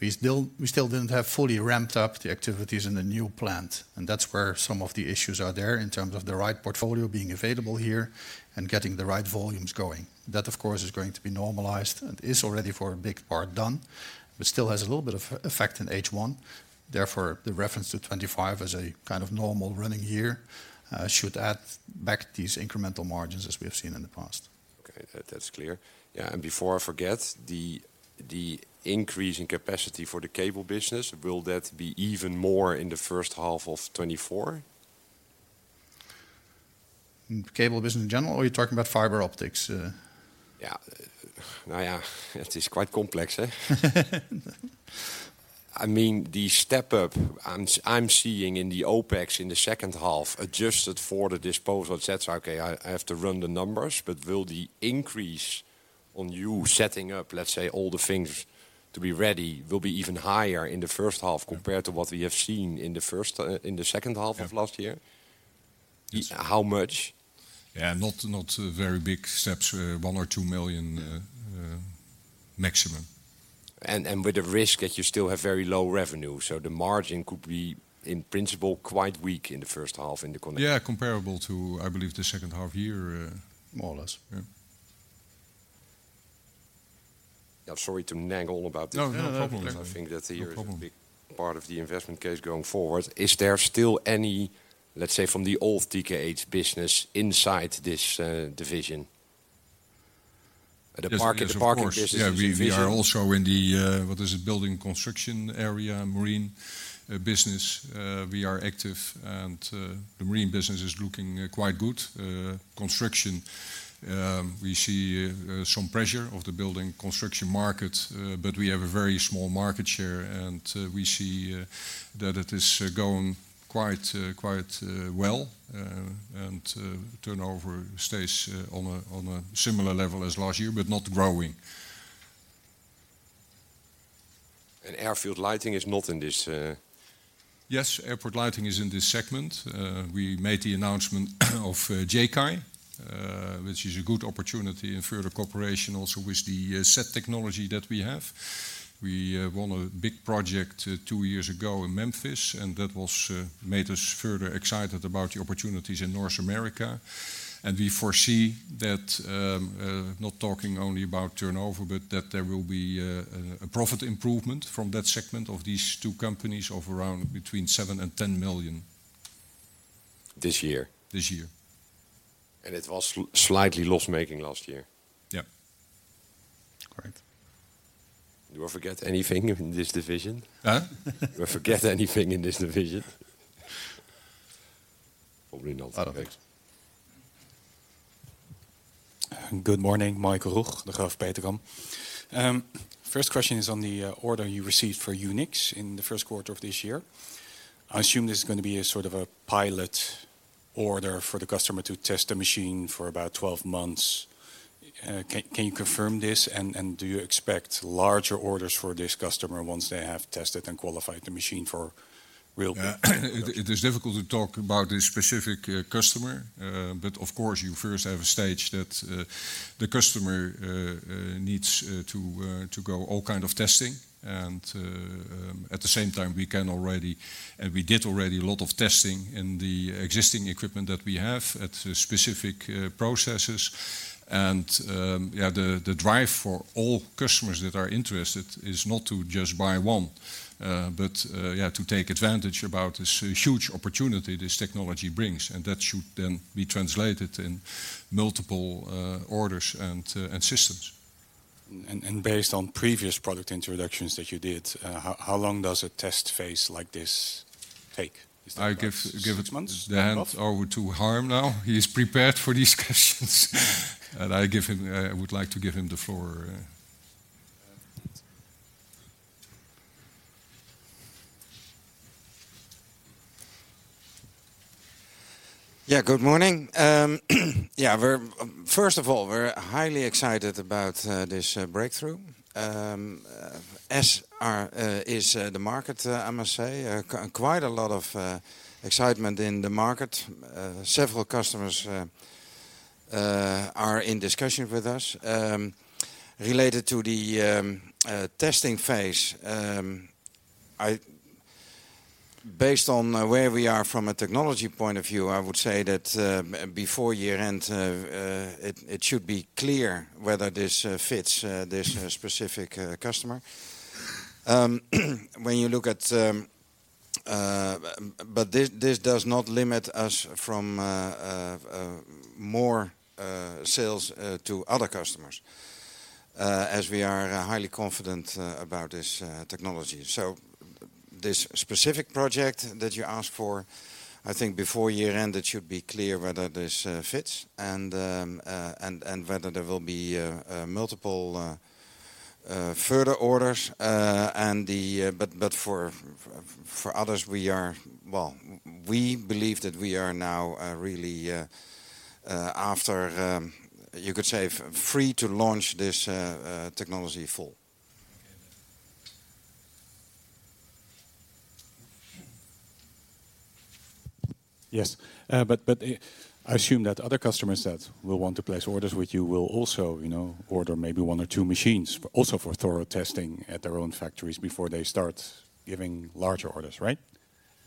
We still didn't have fully ramped up the activities in the new plant. And that's where some of the issues are there in terms of the right portfolio being available here and getting the right volumes going. That, of course, is going to be normalized and is already for a big part done, but still has a little bit of effect in H1. Therefore, the reference to 2025 as a kind of normal running year should add back these incremental margins as we have seen in the past. OK, that's clear. Yeah, and before I forget, the increase in capacity for the cable business, will that be even more in the first half of 2024? Cable business in general? Or are you talking about fiber optics? Yeah, now, yeah, it is quite complex. I mean, the step up I'm seeing in the OpEx in the second half adjusted for the disposal, et cetera, OK, I have to run the numbers. But will the increase on you setting up, let's say, all the things to be ready will be even higher in the first half compared to what we have seen in the second half of last year? How much? Yeah, not very big steps, 1 or 2 million maximum. With the risk that you still have very low revenue. The margin could be, in principle, quite weak in the first half in the connectivity. Yeah, comparable to, I believe, the second half year. More or less. Yeah. Sorry to nag all about this. No, no problem. I think that here is a big part of the investment case going forward. Is there still any, let's say, from the old TKH business inside this division, the market business division? Yeah, we are also in the, what is it, building construction area, marine business. We are active. The marine business is looking quite good. Construction, we see some pressure of the building construction market. But we have a very small market share. We see that it is going quite well. Turnover stays on a similar level as last year, but not growing. Airfield lighting is not in this? Yes, airport lighting is in this segment. We made the announcement of JCAII, which is a good opportunity in further cooperation also with the set technology that we have. We won a big project two years ago in Memphis. That made us further excited about the opportunities in North America. We foresee that, not talking only about turnover, but that there will be a profit improvement from that segment of these two companies of around between 7 million and 10 million. This year? This year. It was slightly loss-making last year? Yeah. Do I forget anything in this division? Do I forget anything in this division? Probably not. Good morning, Michael Roeg, Degroof Petercam. First question is on the order you received for UNIXX in the first quarter of this year. I assume this is going to be a sort of a pilot order for the customer to test the machine for about 12 months. Can you confirm this? And do you expect larger orders for this customer once they have tested and qualified the machine for real? It is difficult to talk about this specific customer. But of course, you first have a stage that the customer needs to go all kind of testing. And at the same time, we can already and we did already a lot of testing in the existing equipment that we have at specific processes. And yeah, the drive for all customers that are interested is not to just buy one, but yeah, to take advantage about this huge opportunity this technology brings. And that should then be translated in multiple orders and systems. Based on previous product introductions that you did, how long does a test phase like this take? I hand it over to Harm now. He is prepared for these questions. I would like to give him the floor. Yeah, good morning. Yeah, first of all, we're highly excited about this breakthrough. SR is the market, I must say. Quite a lot of excitement in the market. Several customers are in discussion with us. Related to the testing phase, based on where we are from a technology point of view, I would say that before year-end, it should be clear whether this fits this specific customer. When you look at but this does not limit us from more sales to other customers, as we are highly confident about this technology. So this specific project that you asked for, I think before year-end, it should be clear whether this fits and whether there will be multiple further orders. But for others, we are well, we believe that we are now really after, you could say, free to launch this technology full. Yes, but I assume that other customers that will want to place orders with you will also order maybe one or two machines, also for thorough testing at their own factories before they start giving larger orders, right?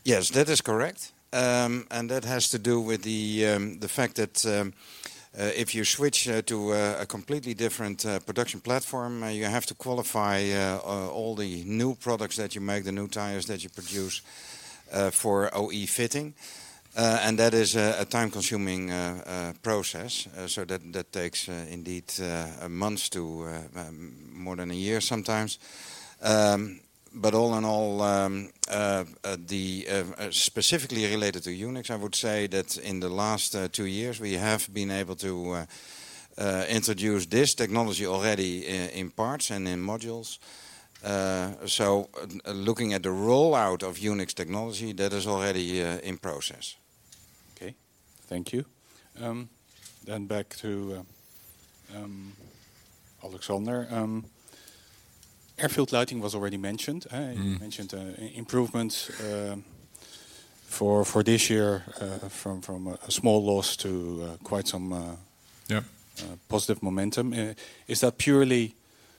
Yes, that is correct. And that has to do with the fact that if you switch to a completely different production platform, you have to qualify all the new products that you make, the new tires that you produce for OE fitting. And that is a time-consuming process. So that takes indeed months to more than a year sometimes. But all in all, specifically related to UNIX, I would say that in the last 2 years, we have been able to introduce this technology already in parts and in modules. So looking at the rollout of UNIX technology, that is already in process. OK, thank you. Then back to Alexander. Airfield lighting was already mentioned. You mentioned improvements for this year from a small loss to quite some positive momentum. Is that purely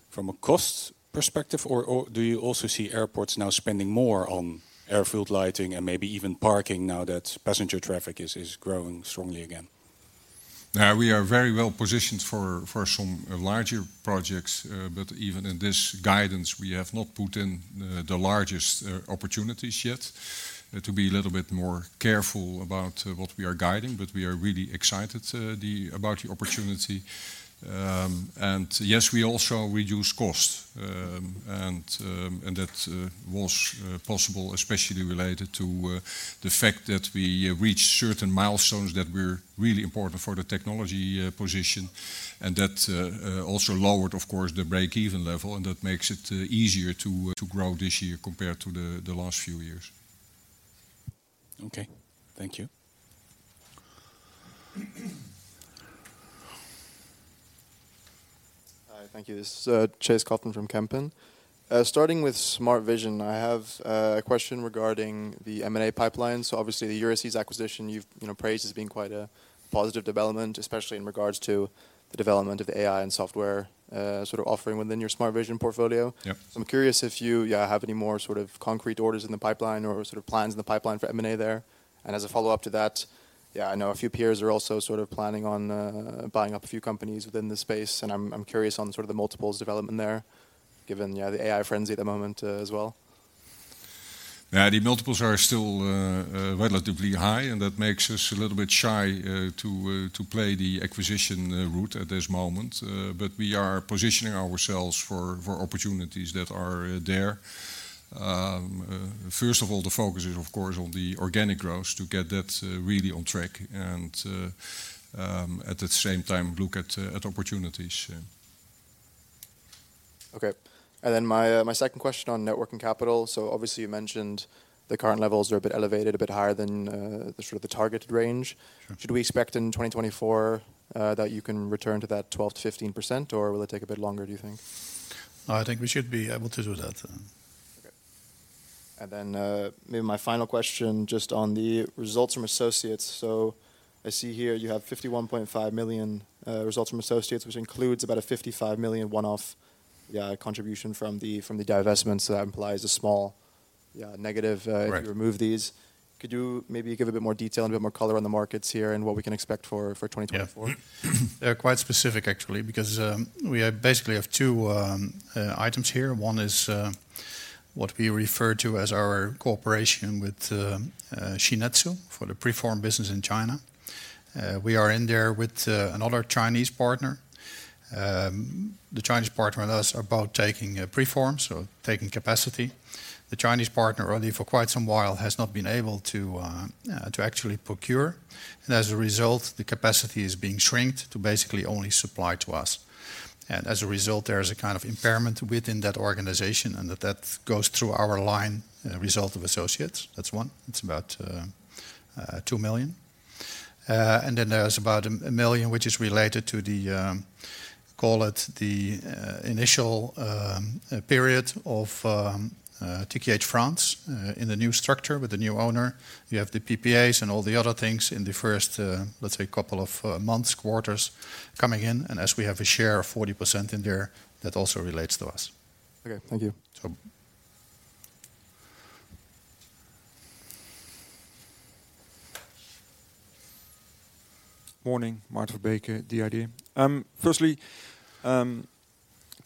from a cost perspective? Or do you also see airports now spending more on airfield lighting and maybe even parking now that passenger traffic is growing strongly again? Now, we are very well positioned for some larger projects. But even in this guidance, we have not put in the largest opportunities yet to be a little bit more careful about what we are guiding. But we are really excited about the opportunity. And yes, we also reduce cost. And that was possible, especially related to the fact that we reached certain milestones that were really important for the technology position. And that also lowered, of course, the break-even level. And that makes it easier to grow this year compared to the last few years. OK, thank you. Hi, thank you. This is Chase Coughlan from Kempen. Starting with Smart Vision, I have a question regarding the M&A pipeline. So obviously, the Euresys acquisition you've praised as being quite a positive development, especially in regards to the development of the AI and software sort of offering within your Smart Vision portfolio. Yes. So I'm curious if you have any more sort of concrete orders in the pipeline or sort of plans in the pipeline for M&A there. And as a follow-up to that, yeah, I know a few peers are also sort of planning on buying up a few companies within this space. And I'm curious on sort of the multiples development there, given the AI frenzy at the moment as well. Yeah, the multiples are still relatively high. That makes us a little bit shy to play the acquisition route at this moment. We are positioning ourselves for opportunities that are there. First of all, the focus is, of course, on the organic growth to get that really on track and at the same time look at opportunities. OK, and then my second question on working capital. So obviously, you mentioned the current levels are a bit elevated, a bit higher than the sort of targeted range. Should we expect in 2024 that you can return to that 12%-15%? Or will it take a bit longer, do you think? I think we should be able to do that. OK, and then maybe my final question just on the results from associates. So I see here you have 51.5 million results from associates, which includes about a 55 million one-off contribution from the divestment. So that implies a small negative if you remove these. Could you maybe give a bit more detail and a bit more color on the markets here and what we can expect for 2024? They're quite specific, actually, because we basically have two items here. One is what we refer to as our cooperation with Shin-Etsu for the preform business in China. We are in there with another Chinese partner. The Chinese partner and us are about taking preform, so taking capacity. The Chinese partner, already for quite some while, has not been able to actually procure. And as a result, the capacity is being shrunk to basically only supply to us. And as a result, there is a kind of impairment within that organization. And that goes through our line result of associates. That's one. It's about 2 million. And then there's about 1 million, which is related to the call it the initial period of TKH France in the new structure with the new owner. You have the PPAs and all the other things in the first, let's say, couple of months, quarters coming in. As we have a share of 40% in there, that also relates to us. OK, thank you. So. Morning, Maarten, The Idea. Firstly, a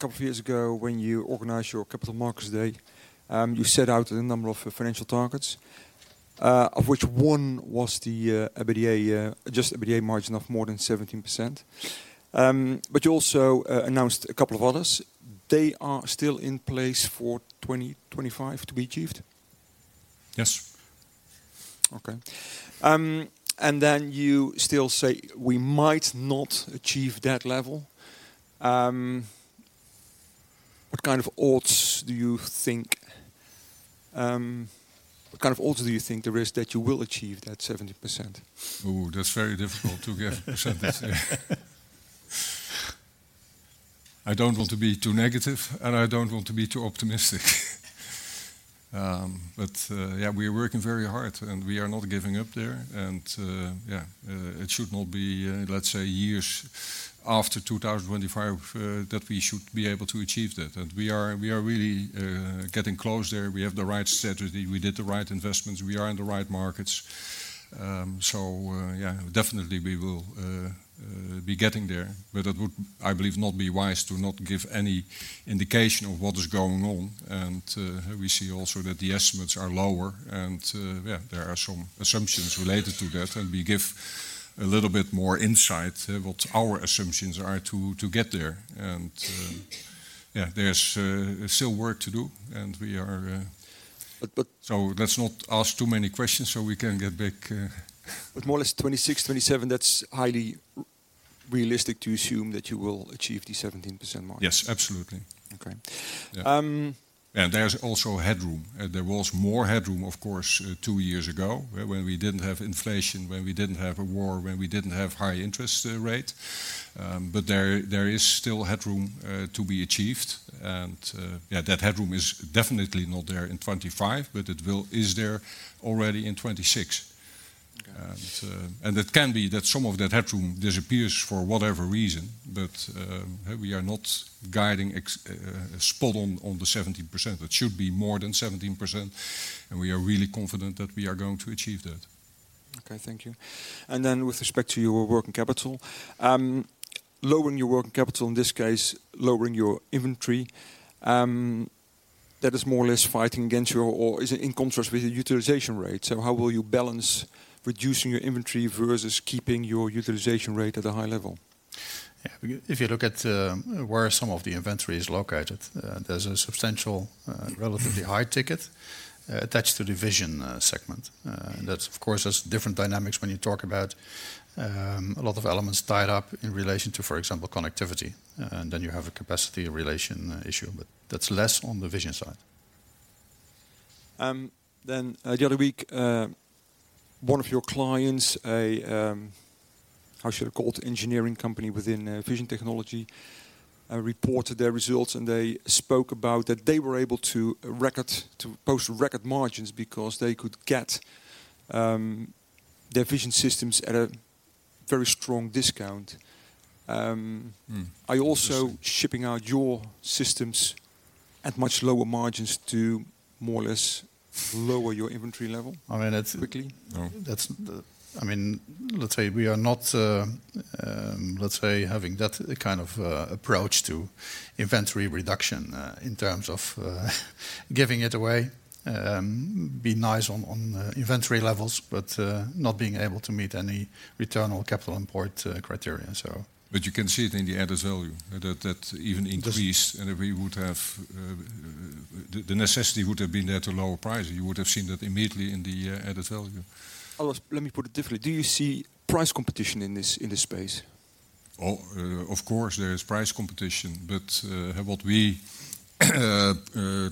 couple of years ago, when you organized your Capital Markets Day, you set out a number of financial targets, of which one was the adjusted EBITDA margin of more than 17%. But you also announced a couple of others. They are still in place for 2025 to be achieved? Yes. OK, and then you still say, we might not achieve that level. What kind of odds do you think what kind of odds do you think there is that you will achieve that 70%? Oh, that's very difficult to give a percentage there. I don't want to be too negative. I don't want to be too optimistic. But yeah, we are working very hard. We are not giving up there. Yeah, it should not be, let's say, years after 2025 that we should be able to achieve that. We are really getting close there. We have the right strategy. We did the right investments. We are in the right markets. So yeah, definitely, we will be getting there. But it would, I believe, not be wise to not give any indication of what is going on. We see also that the estimates are lower. Yeah, there are some assumptions related to that. We give a little bit more insight what our assumptions are to get there. Yeah, there's still work to do. And we are, so let's not ask too many questions so we can get back. But more or less 26%, 27%, that's highly realistic to assume that you will achieve the 17% margin? Yes, absolutely. OK. There's also headroom. There was more headroom, of course, two years ago when we didn't have inflation, when we didn't have a war, when we didn't have high interest rate. But there is still headroom to be achieved. And yeah, that headroom is definitely not there in 2025. But it is there already in 2026. And it can be that some of that headroom disappears for whatever reason. But we are not guiding spot on the 17%. It should be more than 17%. And we are really confident that we are going to achieve that. OK, thank you. And then with respect to your working capital, lowering your working capital, in this case, lowering your inventory, that is more or less fighting against your or is it in contrast with the utilization rate? So how will you balance reducing your inventory versus keeping your utilization rate at a high level? Yeah, if you look at where some of the inventory is located, there's a substantial, relatively high ticket attached to the Vision segment. And that's, of course, has different dynamics when you talk about a lot of elements tied up in relation to, for example, Connectivity. And then you have a capacity relation issue. But that's less on the Vision side. Then the other week, one of your clients, a how should I call it, engineering company within vision technology, reported their results. And they spoke about that they were able to post record margins because they could get their vision systems at a very strong discount. Are you also shipping out your systems at much lower margins to more or less lower your inventory level quickly? I mean, let's say we are not, let's say, having that kind of approach to inventory reduction in terms of giving it away, be nice on inventory levels, but not being able to meet any return or capital import criteria. But you can see it in the added value, that even increased. And if we would have the necessity would have been there to lower prices. You would have seen that immediately in the added value. Let me put it differently. Do you see price competition in this space? Oh, of course, there is price competition. But what we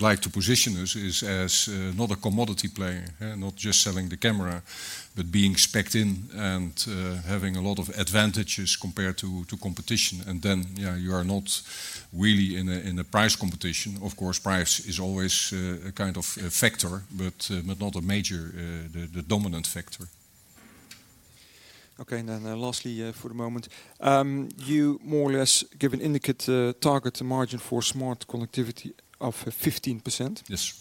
like to position us is as not a commodity player, not just selling the camera, but being specced in and having a lot of advantages compared to competition. And then you are not really in a price competition. Of course, price is always a kind of factor, but not a major, the dominant factor. OK, and then lastly for the moment, you more or less give an indicated target margin for Smart Connectivity of 15%. Yes.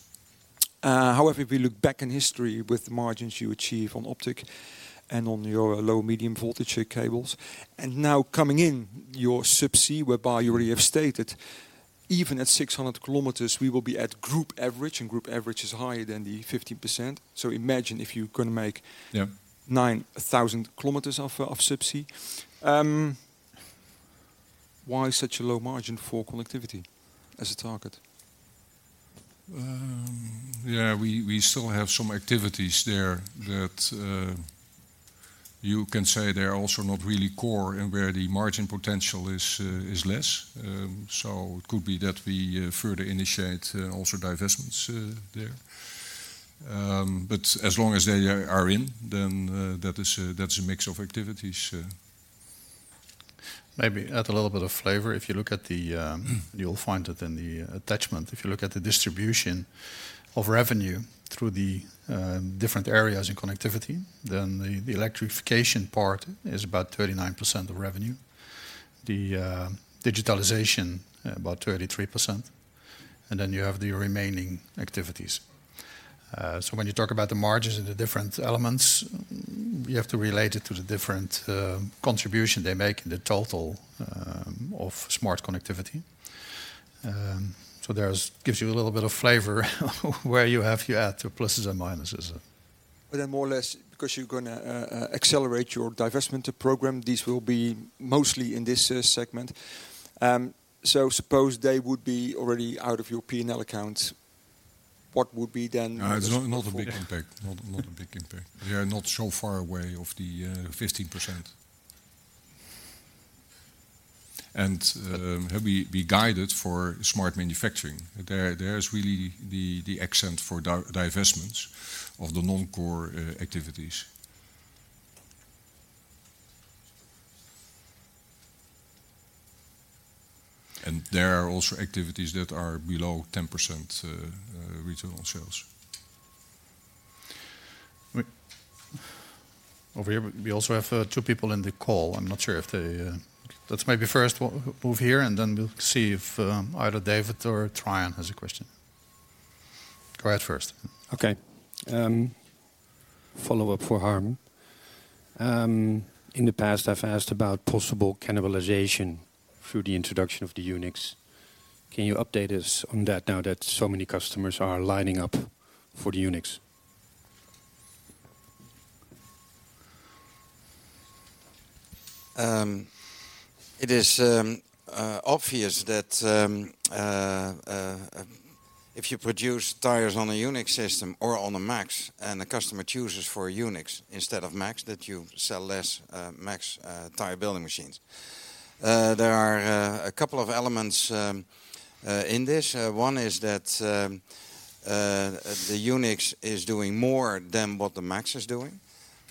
However, if we look back in history with the margins you achieve on optic and on your low-medium voltage cables, and now coming in your subsea, whereby you already have stated, even at 600 kilometers, we will be at group average. And group average is higher than the 15%. So imagine if you're going to make 9,000 kilometers of subsea. Why such a low margin for connectivity as a target? Yeah, we still have some activities there that you can say they're also not really core and where the margin potential is less. So it could be that we further initiate also divestments there. But as long as they are in, then that is a mix of activities. Maybe add a little bit of flavor. If you look at the, you'll find it in the attachment. If you look at the distribution of revenue through the different areas in connectivity, then the electrification part is about 39% of revenue, the digitalization about 33%. And then you have the remaining activities. So when you talk about the margins and the different elements, you have to relate it to the different contribution they make in the total of smart connectivity. So that gives you a little bit of flavor where you have to add to pluses and minuses. But then more or less, because you're going to accelerate your divestment program, these will be mostly in this segment. So suppose they would be already out of your P&L account. What would be then? It's not a big impact, not a big impact. We are not so far away of the 15%. We guide it for Smart Manufacturing. There is really the emphasis for divestments of the non-core activities. And there are also activities that are below 10% return on sales. Over here, we also have two people in the call. I'm not sure if that's maybe first move here. Then we'll see if either David or (Tryon has a question. Go ahead first. OK, follow-up for Harm. In the past, I've asked about possible cannibalization through the introduction of the UNIX. Can you update us on that now that so many customers are lining up for the UNIX? It is obvious that if you produce tires on a UNIX system or on a MAXX and the customer chooses for UNIX instead of MAXX, that you sell less MAXX tire building machines. There are a couple of elements in this. One is that the UNIX is doing more than what the MAXX is doing.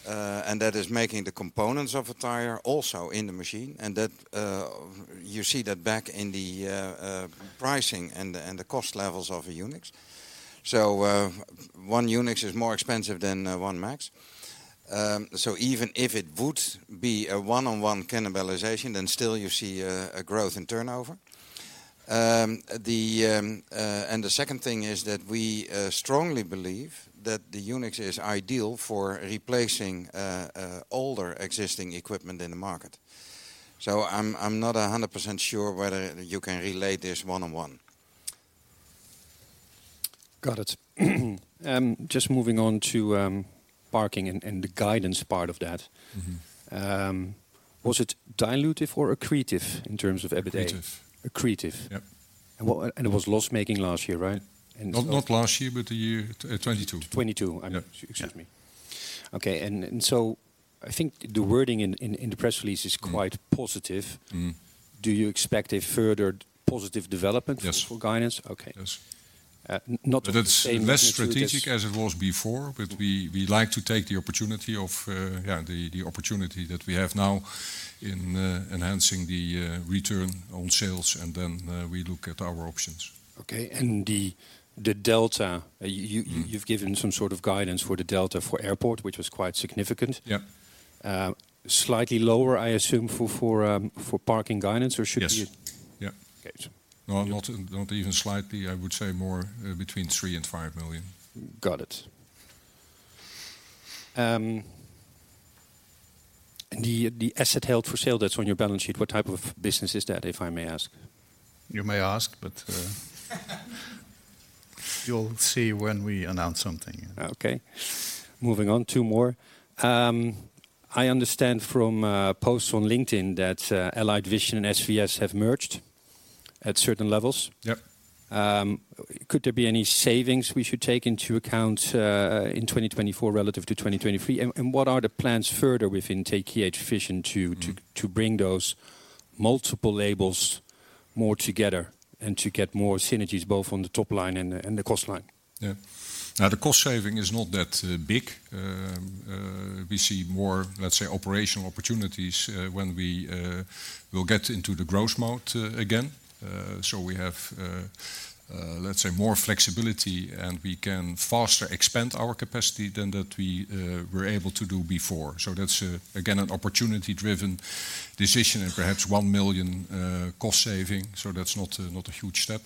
That is making the components of a tire also in the machine. You see that back in the pricing and the cost levels of a UNIX. So one UNIX is more expensive than one MAXX. So even if it would be a one-on-one cannibalization, then still you see a growth in turnover. The second thing is that we strongly believe that the UNIX is ideal for replacing older existing equipment in the market. So I'm not 100% sure whether you can relate this one-on-one. Got it. Just moving on to parking and the guidance part of that, was it dilutive or accretive in terms of EBITDA? Accretive. Accretive. It was loss-making last year, right? Not last year, but the year 2022. 2022, excuse me. OK, and so I think the wording in the press release is quite positive. Do you expect a further positive development for guidance? Yes. OK. Not the same. It's less strategic as it was before. But we like to take the opportunity of yeah, the opportunity that we have now in enhancing the return on sales. And then we look at our options. OK, and the delta you've given some sort of guidance for the delta for airport, which was quite significant, slightly lower, I assume, for parking guidance? Or should it be? Yes. Yeah. No, not even slightly. I would say more between 3 million and 5 million. Got it. The asset held for sale that's on your balance sheet, what type of business is that, if I may ask? You may ask. But you'll see when we announce something. OK, moving on, two more. I understand from posts on LinkedIn that Allied Vision and SVS have merged at certain levels. Could there be any savings we should take into account in 2024 relative to 2023? And what are the plans further within TKH Vision to bring those multiple labels more together and to get more synergies, both on the top line and the cost line? Yeah, now the cost saving is not that big. We see more, let's say, operational opportunities when we will get into the growth mode again. So we have, let's say, more flexibility. And we can faster expand our capacity than that we were able to do before. So that's, again, an opportunity-driven decision and perhaps 1 million cost saving. So that's not a huge step.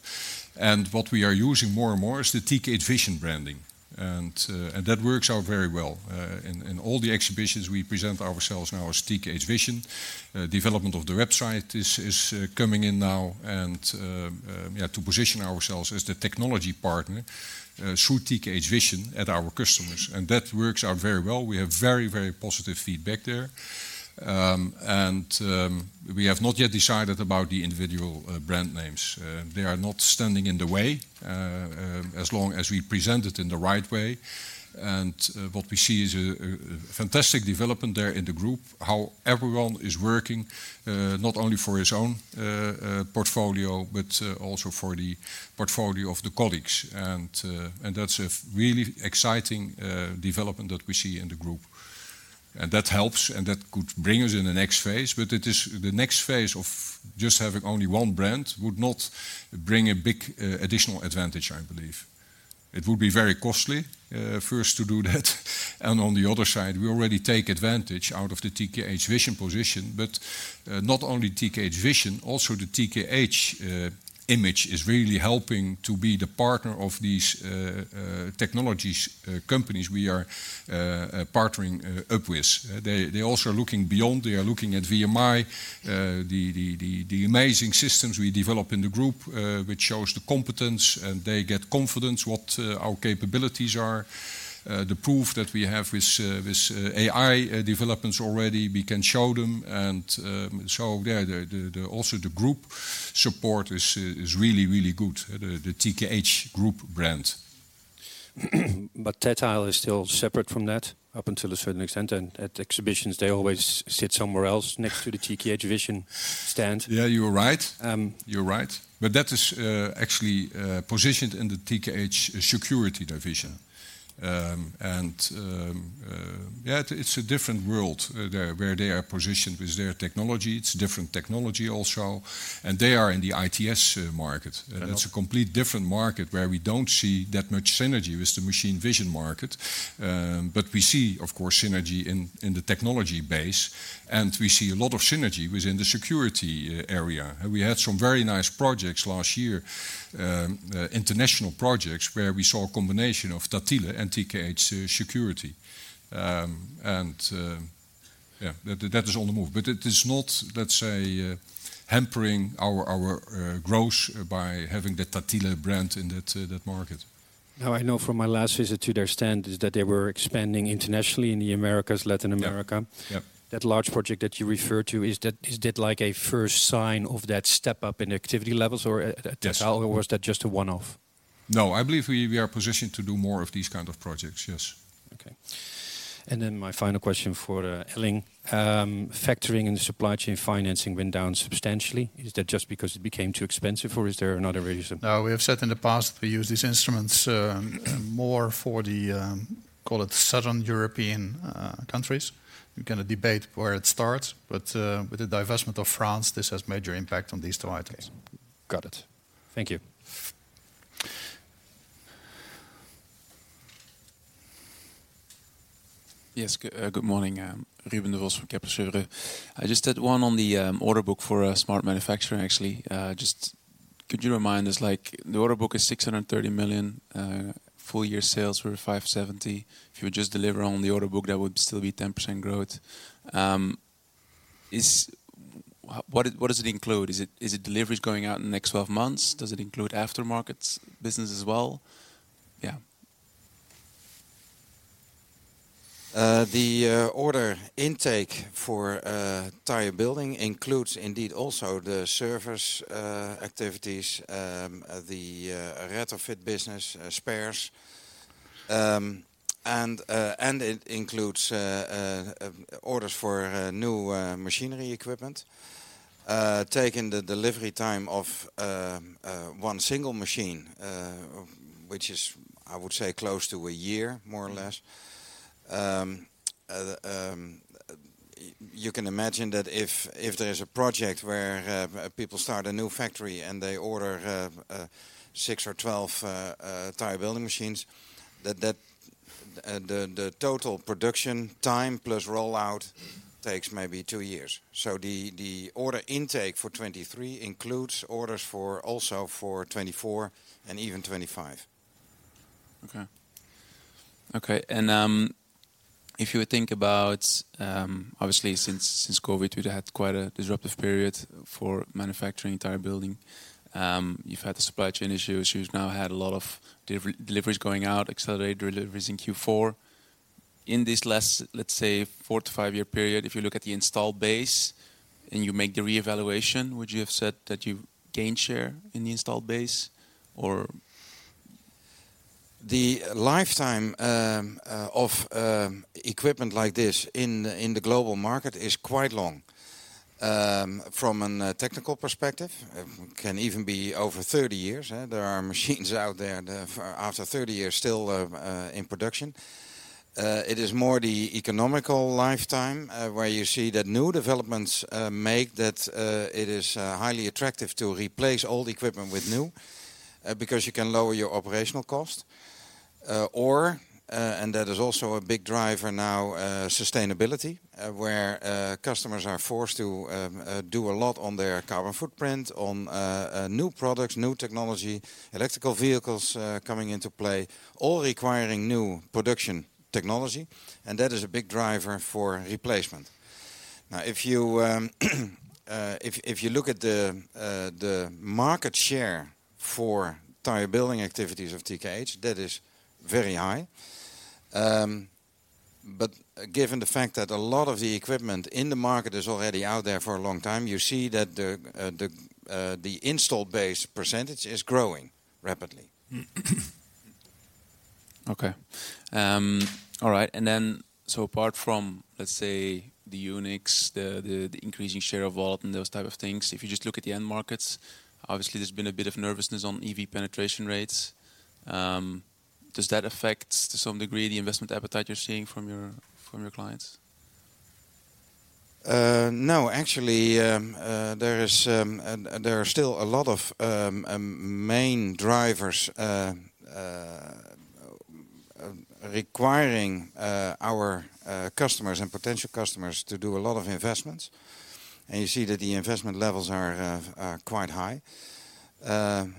And what we are using more and more is the TKH Vision branding. And that works out very well. In all the exhibitions, we present ourselves now as TKH Vision. Development of the website is coming in now to position ourselves as the technology partner through TKH Vision at our customers. And that works out very well. We have very, very positive feedback there. And we have not yet decided about the individual brand names. They are not standing in the way as long as we present it in the right way. And what we see is a fantastic development there in the group, how everyone is working not only for his own portfolio, but also for the portfolio of the colleagues. And that's a really exciting development that we see in the group. And that helps. And that could bring us in the next phase. But the next phase of just having only one brand would not bring a big additional advantage, I believe. It would be very costly for us to do that. And on the other side, we already take advantage out of the TKH Vision position. But not only TKH Vision, also the TKH image is really helping to be the partner of these technology companies we are partnering up with. They also are looking beyond. They are looking at VMI, the amazing systems we develop in the group, which shows the competence. They get confidence what our capabilities are. The proof that we have with AI developments already, we can show them. And so also the group support is really, really good, the TKH Group brand. But Tattile is still separate from that up until a certain extent. And at exhibitions, they always sit somewhere else next to the TKH Vision stand. Yeah, you're right. You're right. But that is actually positioned in the TKH Security division. And yeah, it's a different world where they are positioned with their technology. It's a different technology also. And they are in the ITS market. And that's a completely different market where we don't see that much synergy with the machine vision market. But we see, of course, synergy in the technology base. And we see a lot of synergy within the security area. We had some very nice projects last year, international projects, where we saw a combination of Tattile and TKH Security. And yeah, that is on the move. But it is not, let's say, hampering our growth by having the Tattile brand in that market. Now, I know from my last visit to their stand is that they were expanding internationally in the Americas, Latin America. That large project that you referred to, is that like a first sign of that step up in activity levels? Or was that just a one-off? No, I believe we are positioned to do more of these kinds of projects, yes. OK, and then my final question for Elling. Factoring and supply chain financing went down substantially. Is that just because it became too expensive? Or is there another reason? No, we have said in the past we use these instruments more for the, call it, southern European countries. You can debate where it starts. But with the divestment of France, this has major impact on these two items. Got it. Thank you. Yes, good morning. Ruben Devos from Kepler Cheuvreux. I just had one on the order book for Smart Manufacturing, actually. Just could you remind us, like, the order book is 630 million. Full year sales were 570 million. If you would just deliver on the order book, that would still be 10% growth. What does it include? Is it deliveries going out in the next 12 months? Does it include aftermarket business as well? Yeah. The order intake for tire building includes indeed also the service activities, the retrofit business, spares. It includes orders for new machinery equipment, taking the delivery time of one single machine, which is, I would say, close to a year, more or less. You can imagine that if there is a project where people start a new factory and they order six or 12 tire building machines, that the total production time plus rollout takes maybe two years. The order intake for 2023 includes orders also for 2024 and even 2025. OK. OK, and if you think about obviously, since COVID, we had quite a disruptive period for manufacturing tire building. You've had the supply chain issues. You've now had a lot of deliveries going out, accelerated deliveries in Q4. In this last, let's say, 4-5 year period, if you look at the installed base and you make the reevaluation, would you have said that you gained share in the installed base? Or? The lifetime of equipment like this in the global market is quite long from a technical perspective. It can even be over 30 years. There are machines out there after 30 years still in production. It is more the economic lifetime where you see that new developments make that it is highly attractive to replace old equipment with new because you can lower your operational cost. Or, and that is also a big driver now, sustainability, where customers are forced to do a lot on their carbon footprint, on new products, new technology, electric vehicles coming into play, all requiring new production technology. And that is a big driver for replacement. Now, if you look at the market share for tire building activities of TKH, that is very high. Given the fact that a lot of the equipment in the market is already out there for a long time, you see that the installed base percentage is growing rapidly. Okay, all right. And then so apart from, let's say, the UNIXX, the increasing share of Volt and those type of things, if you just look at the end markets, obviously, there's been a bit of nervousness on EV penetration rates. Does that affect, to some degree, the investment appetite you're seeing from your clients? No, actually, there are still a lot of main drivers requiring our customers and potential customers to do a lot of investments. You see that the investment levels are quite high. Well,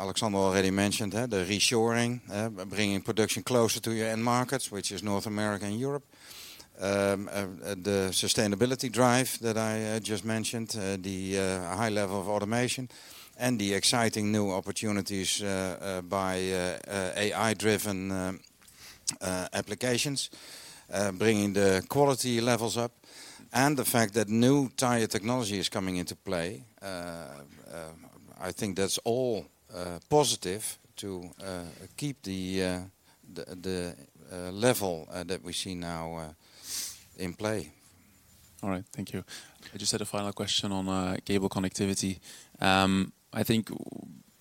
Alexander already mentioned the reshoring, bringing production closer to your end markets, which is North America and Europe, the sustainability drive that I just mentioned, the high level of automation, and the exciting new opportunities by AI-driven applications, bringing the quality levels up. And the fact that new tire technology is coming into play, I think that's all positive to keep the level that we see now in play. All right, thank you. I just had a final question on cable connectivity. I think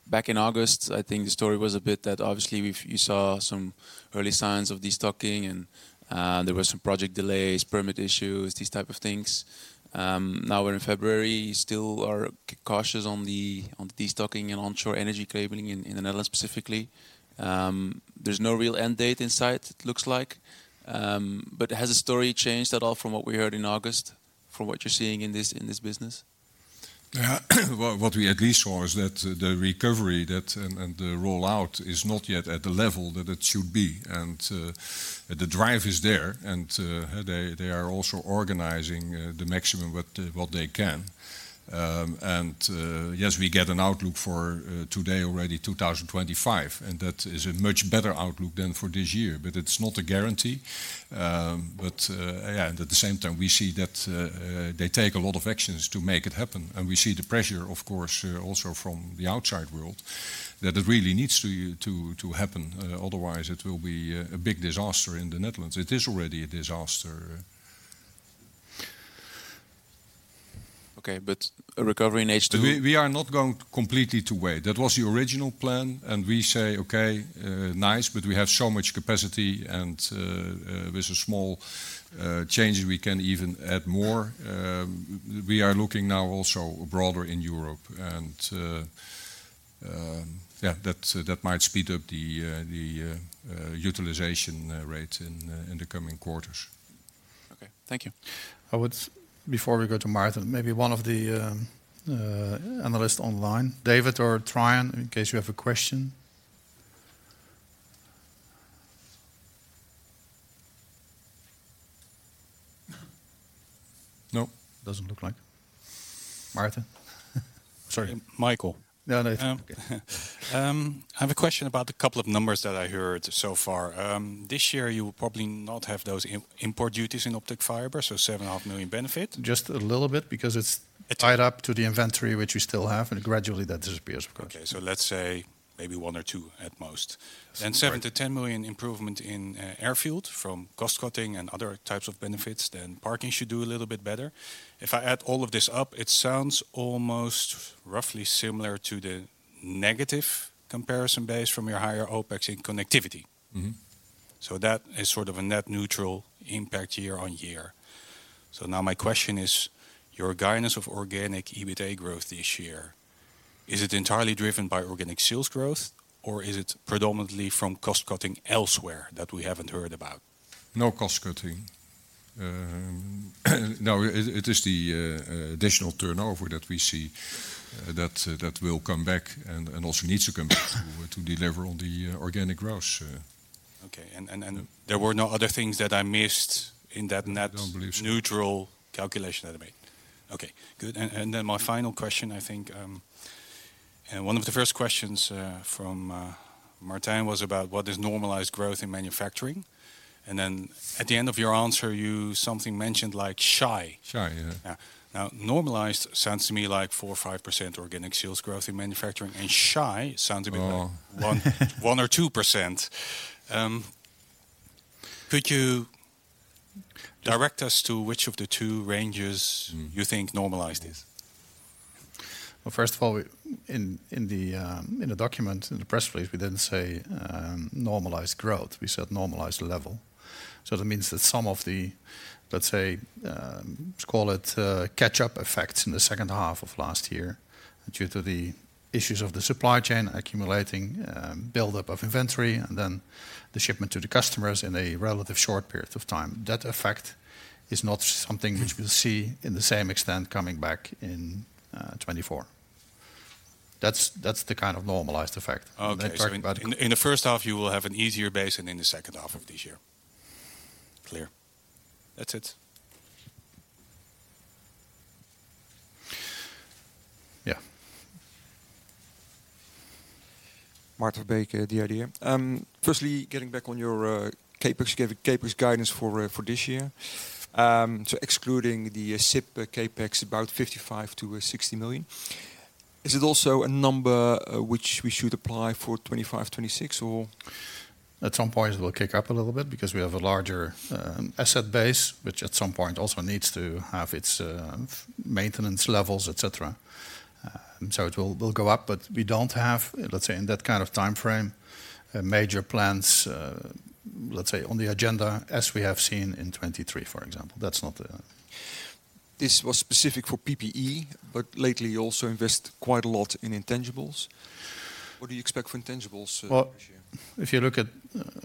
back in August, I think the story was a bit that, obviously, you saw some early signs of destocking. And there were some project delays, permit issues, these type of things. Now we're in February. You still are cautious on the destocking and onshore energy cabling in the Netherlands specifically. There's no real end date in sight, it looks like. But has the story changed at all from what we heard in August, from what you're seeing in this business? Yeah, what we at least saw is that the recovery and the rollout is not yet at the level that it should be. The drive is there. They are also organizing the maximum what they can. Yes, we get an outlook for today already, 2025. That is a much better outlook than for this year. But it's not a guarantee. But yeah, at the same time, we see that they take a lot of actions to make it happen. We see the pressure, of course, also from the outside world that it really needs to happen. Otherwise, it will be a big disaster in the Netherlands. It is already a disaster. OK, but recovery in H2? We are not going completely the way. That was the original plan. We say, OK, nice. But we have so much capacity. With a small change, we can even add more. We are looking now also broader in Europe. Yeah, that might speed up the utilization rate in the coming quarters. OK, thank you. I would, before we go to Martijn, maybe one of the analysts online, David or Tryon, in case you have a question. No, it doesn't look like. Martijn, sorry. Michael. No, no. I have a question about a couple of numbers that I heard so far. This year, you will probably not have those import duties in optic fiber, so 7.5 million benefit? Just a little bit because it's tied up to the inventory, which we still have. Gradually, that disappears, of course. OK, so let's say maybe 1 or 2 at most. And 7-10 million improvement in airfield from cost cutting and other types of benefits. Then parking should do a little bit better. If I add all of this up, it sounds almost roughly similar to the negative comparison base from your higher OPEX in connectivity. So that is sort of a net neutral impact year-on-year. So now my question is, your guidance of organic EBITDA growth this year, is it entirely driven by organic sales growth? Or is it predominantly from cost cutting elsewhere that we haven't heard about? No cost cutting. No, it is the additional turnover that we see that will come back and also needs to come back to deliver on the organic growth. OK, and there were no other things that I missed in that net neutral calculation that I made? I don't believe so. OK, good. Then my final question, I think. One of the first questions from Martin was about what is normalized growth in manufacturing? Then at the end of your answer, you something mentioned like shy. Shy, yeah. Now, normalized sounds to me like 4% or 5% organic sales growth in manufacturing. SHI sounds to me like 1% or 2%. Could you direct us to which of the two ranges you think normalized is? Well, first of all, in the document, in the press release, we didn't say normalized growth. We said normalized level. So that means that some of the, let's say, let's call it catch-up effects in the second half of last year due to the issues of the supply chain accumulating, buildup of inventory, and then the shipment to the customers in a relative short period of time, that effect is not something which we'll see in the same extent coming back in 2024. That's the kind of normalized effect. OK, so in the first half, you will have an easier base than in the second half of this year. Clear. That's it. Yeah. Maarteen Verbeek, The Idea. Firstly, getting back on your CapEx guidance for this year, so excluding the SIP CapEx, about 55 million-60 million. Is it also a number which we should apply for 2025, 2026, or? At some point, it will kick up a little bit because we have a larger asset base, which at some point also needs to have its maintenance levels, et cetera. So it will go up. But we don't have, let's say, in that kind of time frame, major plans, let's say, on the agenda as we have seen in 2023, for example. That's not the. This was specific for PPE. But lately, you also invest quite a lot in intangibles. What do you expect for intangibles this year? Well, if you look at,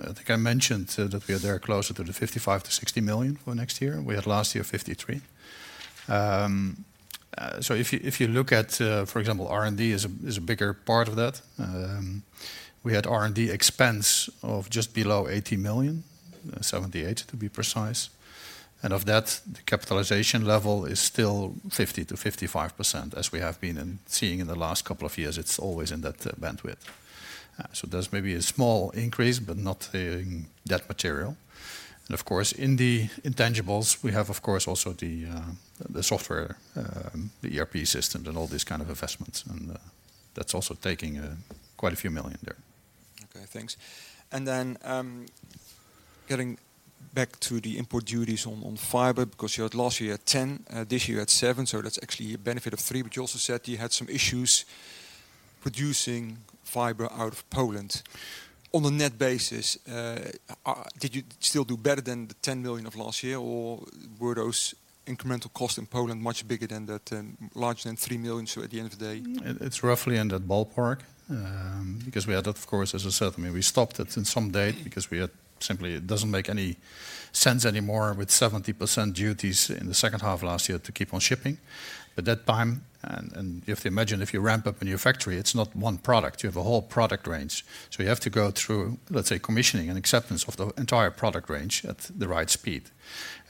I think I mentioned that we are there closer to the 55-60 million for next year. We had last year 53 million. So if you look at, for example, R&D is a bigger part of that. We had R&D expense of just below 80 million, 78 million to be precise. And of that, the capitalization level is still 50%-55%, as we have been seeing in the last couple of years. It's always in that bandwidth. So that's maybe a small increase, but not that material. And of course, in the intangibles, we have, of course, also the software, the ERP systems, and all these kind of investments. And that's also taking quite a few million there. OK, thanks. And then getting back to the import duties on fiber, because you had last year at 10%, this year at 7%. So that's actually a benefit of 3. But you also said you had some issues producing fiber out of Poland. On a net basis, did you still do better than the 10 million of last year? Or were those incremental costs in Poland much bigger than that, larger than 3 million? So at the end of the day? It's roughly in that ballpark because we had that, of course, as I said. I mean, we stopped it in some date because we had simply it doesn't make any sense anymore with 70% duties in the second half last year to keep on shipping. But that time, and if you imagine, if you ramp up a new factory, it's not one product. You have a whole product range. So you have to go through, let's say, commissioning and acceptance of the entire product range at the right speed.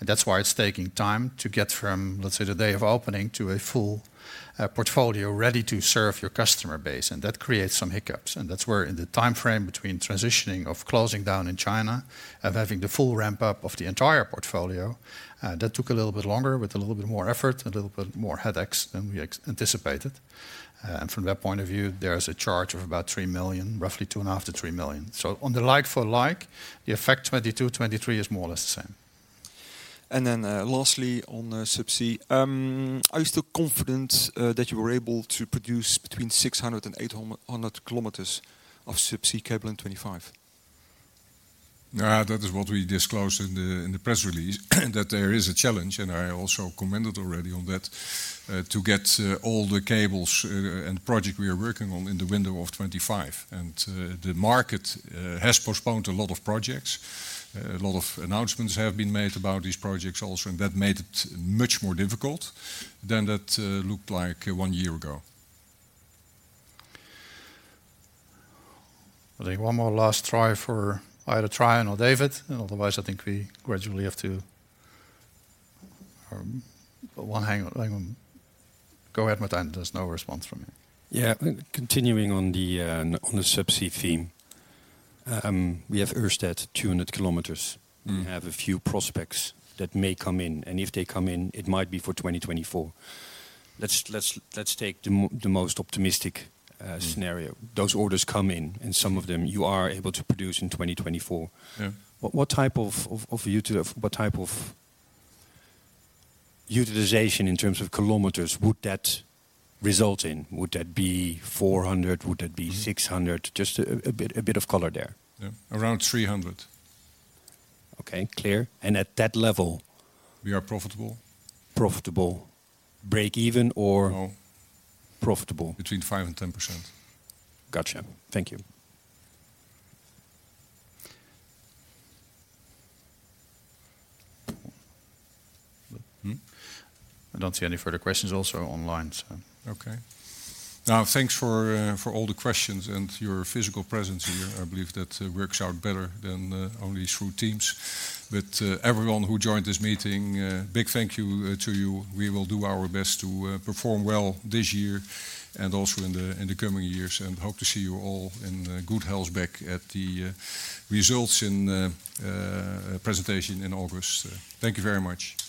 And that's why it's taking time to get from, let's say, the day of opening to a full portfolio ready to serve your customer base. And that creates some hiccups. And that's where, in the time frame between transitioning of closing down in China and having the full ramp up of the entire portfolio, that took a little bit longer, with a little bit more effort, a little bit more headaches than we anticipated. And from that point of view, there is a charge of about 3 million, roughly 2.5 million-3 million. So on the like for like, the effect 2022, 2023 is more or less the same. Then lastly, on subsea, are you still confident that you were able to produce between 600-800 km of subsea cable in 2025? Yeah, that is what we disclosed in the press release, that there is a challenge. I also commented already on that to get all the cables and projects we are working on in the window of 2025. The market has postponed a lot of projects. A lot of announcements have been made about these projects also. That made it much more difficult than that looked like one year ago. I think one more last try for either Tryon or David. Otherwise, I think we gradually have to one hang on. Go ahead, Martijn. There's no response from me. Yeah, continuing on the subsea theme, we have Ørsted 200 km. We have a few prospects that may come in. And if they come in, it might be for 2024. Let's take the most optimistic scenario. Those orders come in. And some of them, you are able to produce in 2024. What type of utilization in terms of kilometers would that result in? Would that be 400? Would that be 600? Just a bit of color there. Yeah, around 300. OK, clear. And at that level. We are profitable? Profitable. Break even, or profitable? Between 5% and 10%. Gotcha, thank you. I don't see any further questions also online. OK. Now, thanks for all the questions and your physical presence here. I believe that works out better than only through Teams. But everyone who joined this meeting, big thank you to you. We will do our best to perform well this year and also in the coming years. And hope to see you all in good health back at the results in presentation in August. Thank you very much.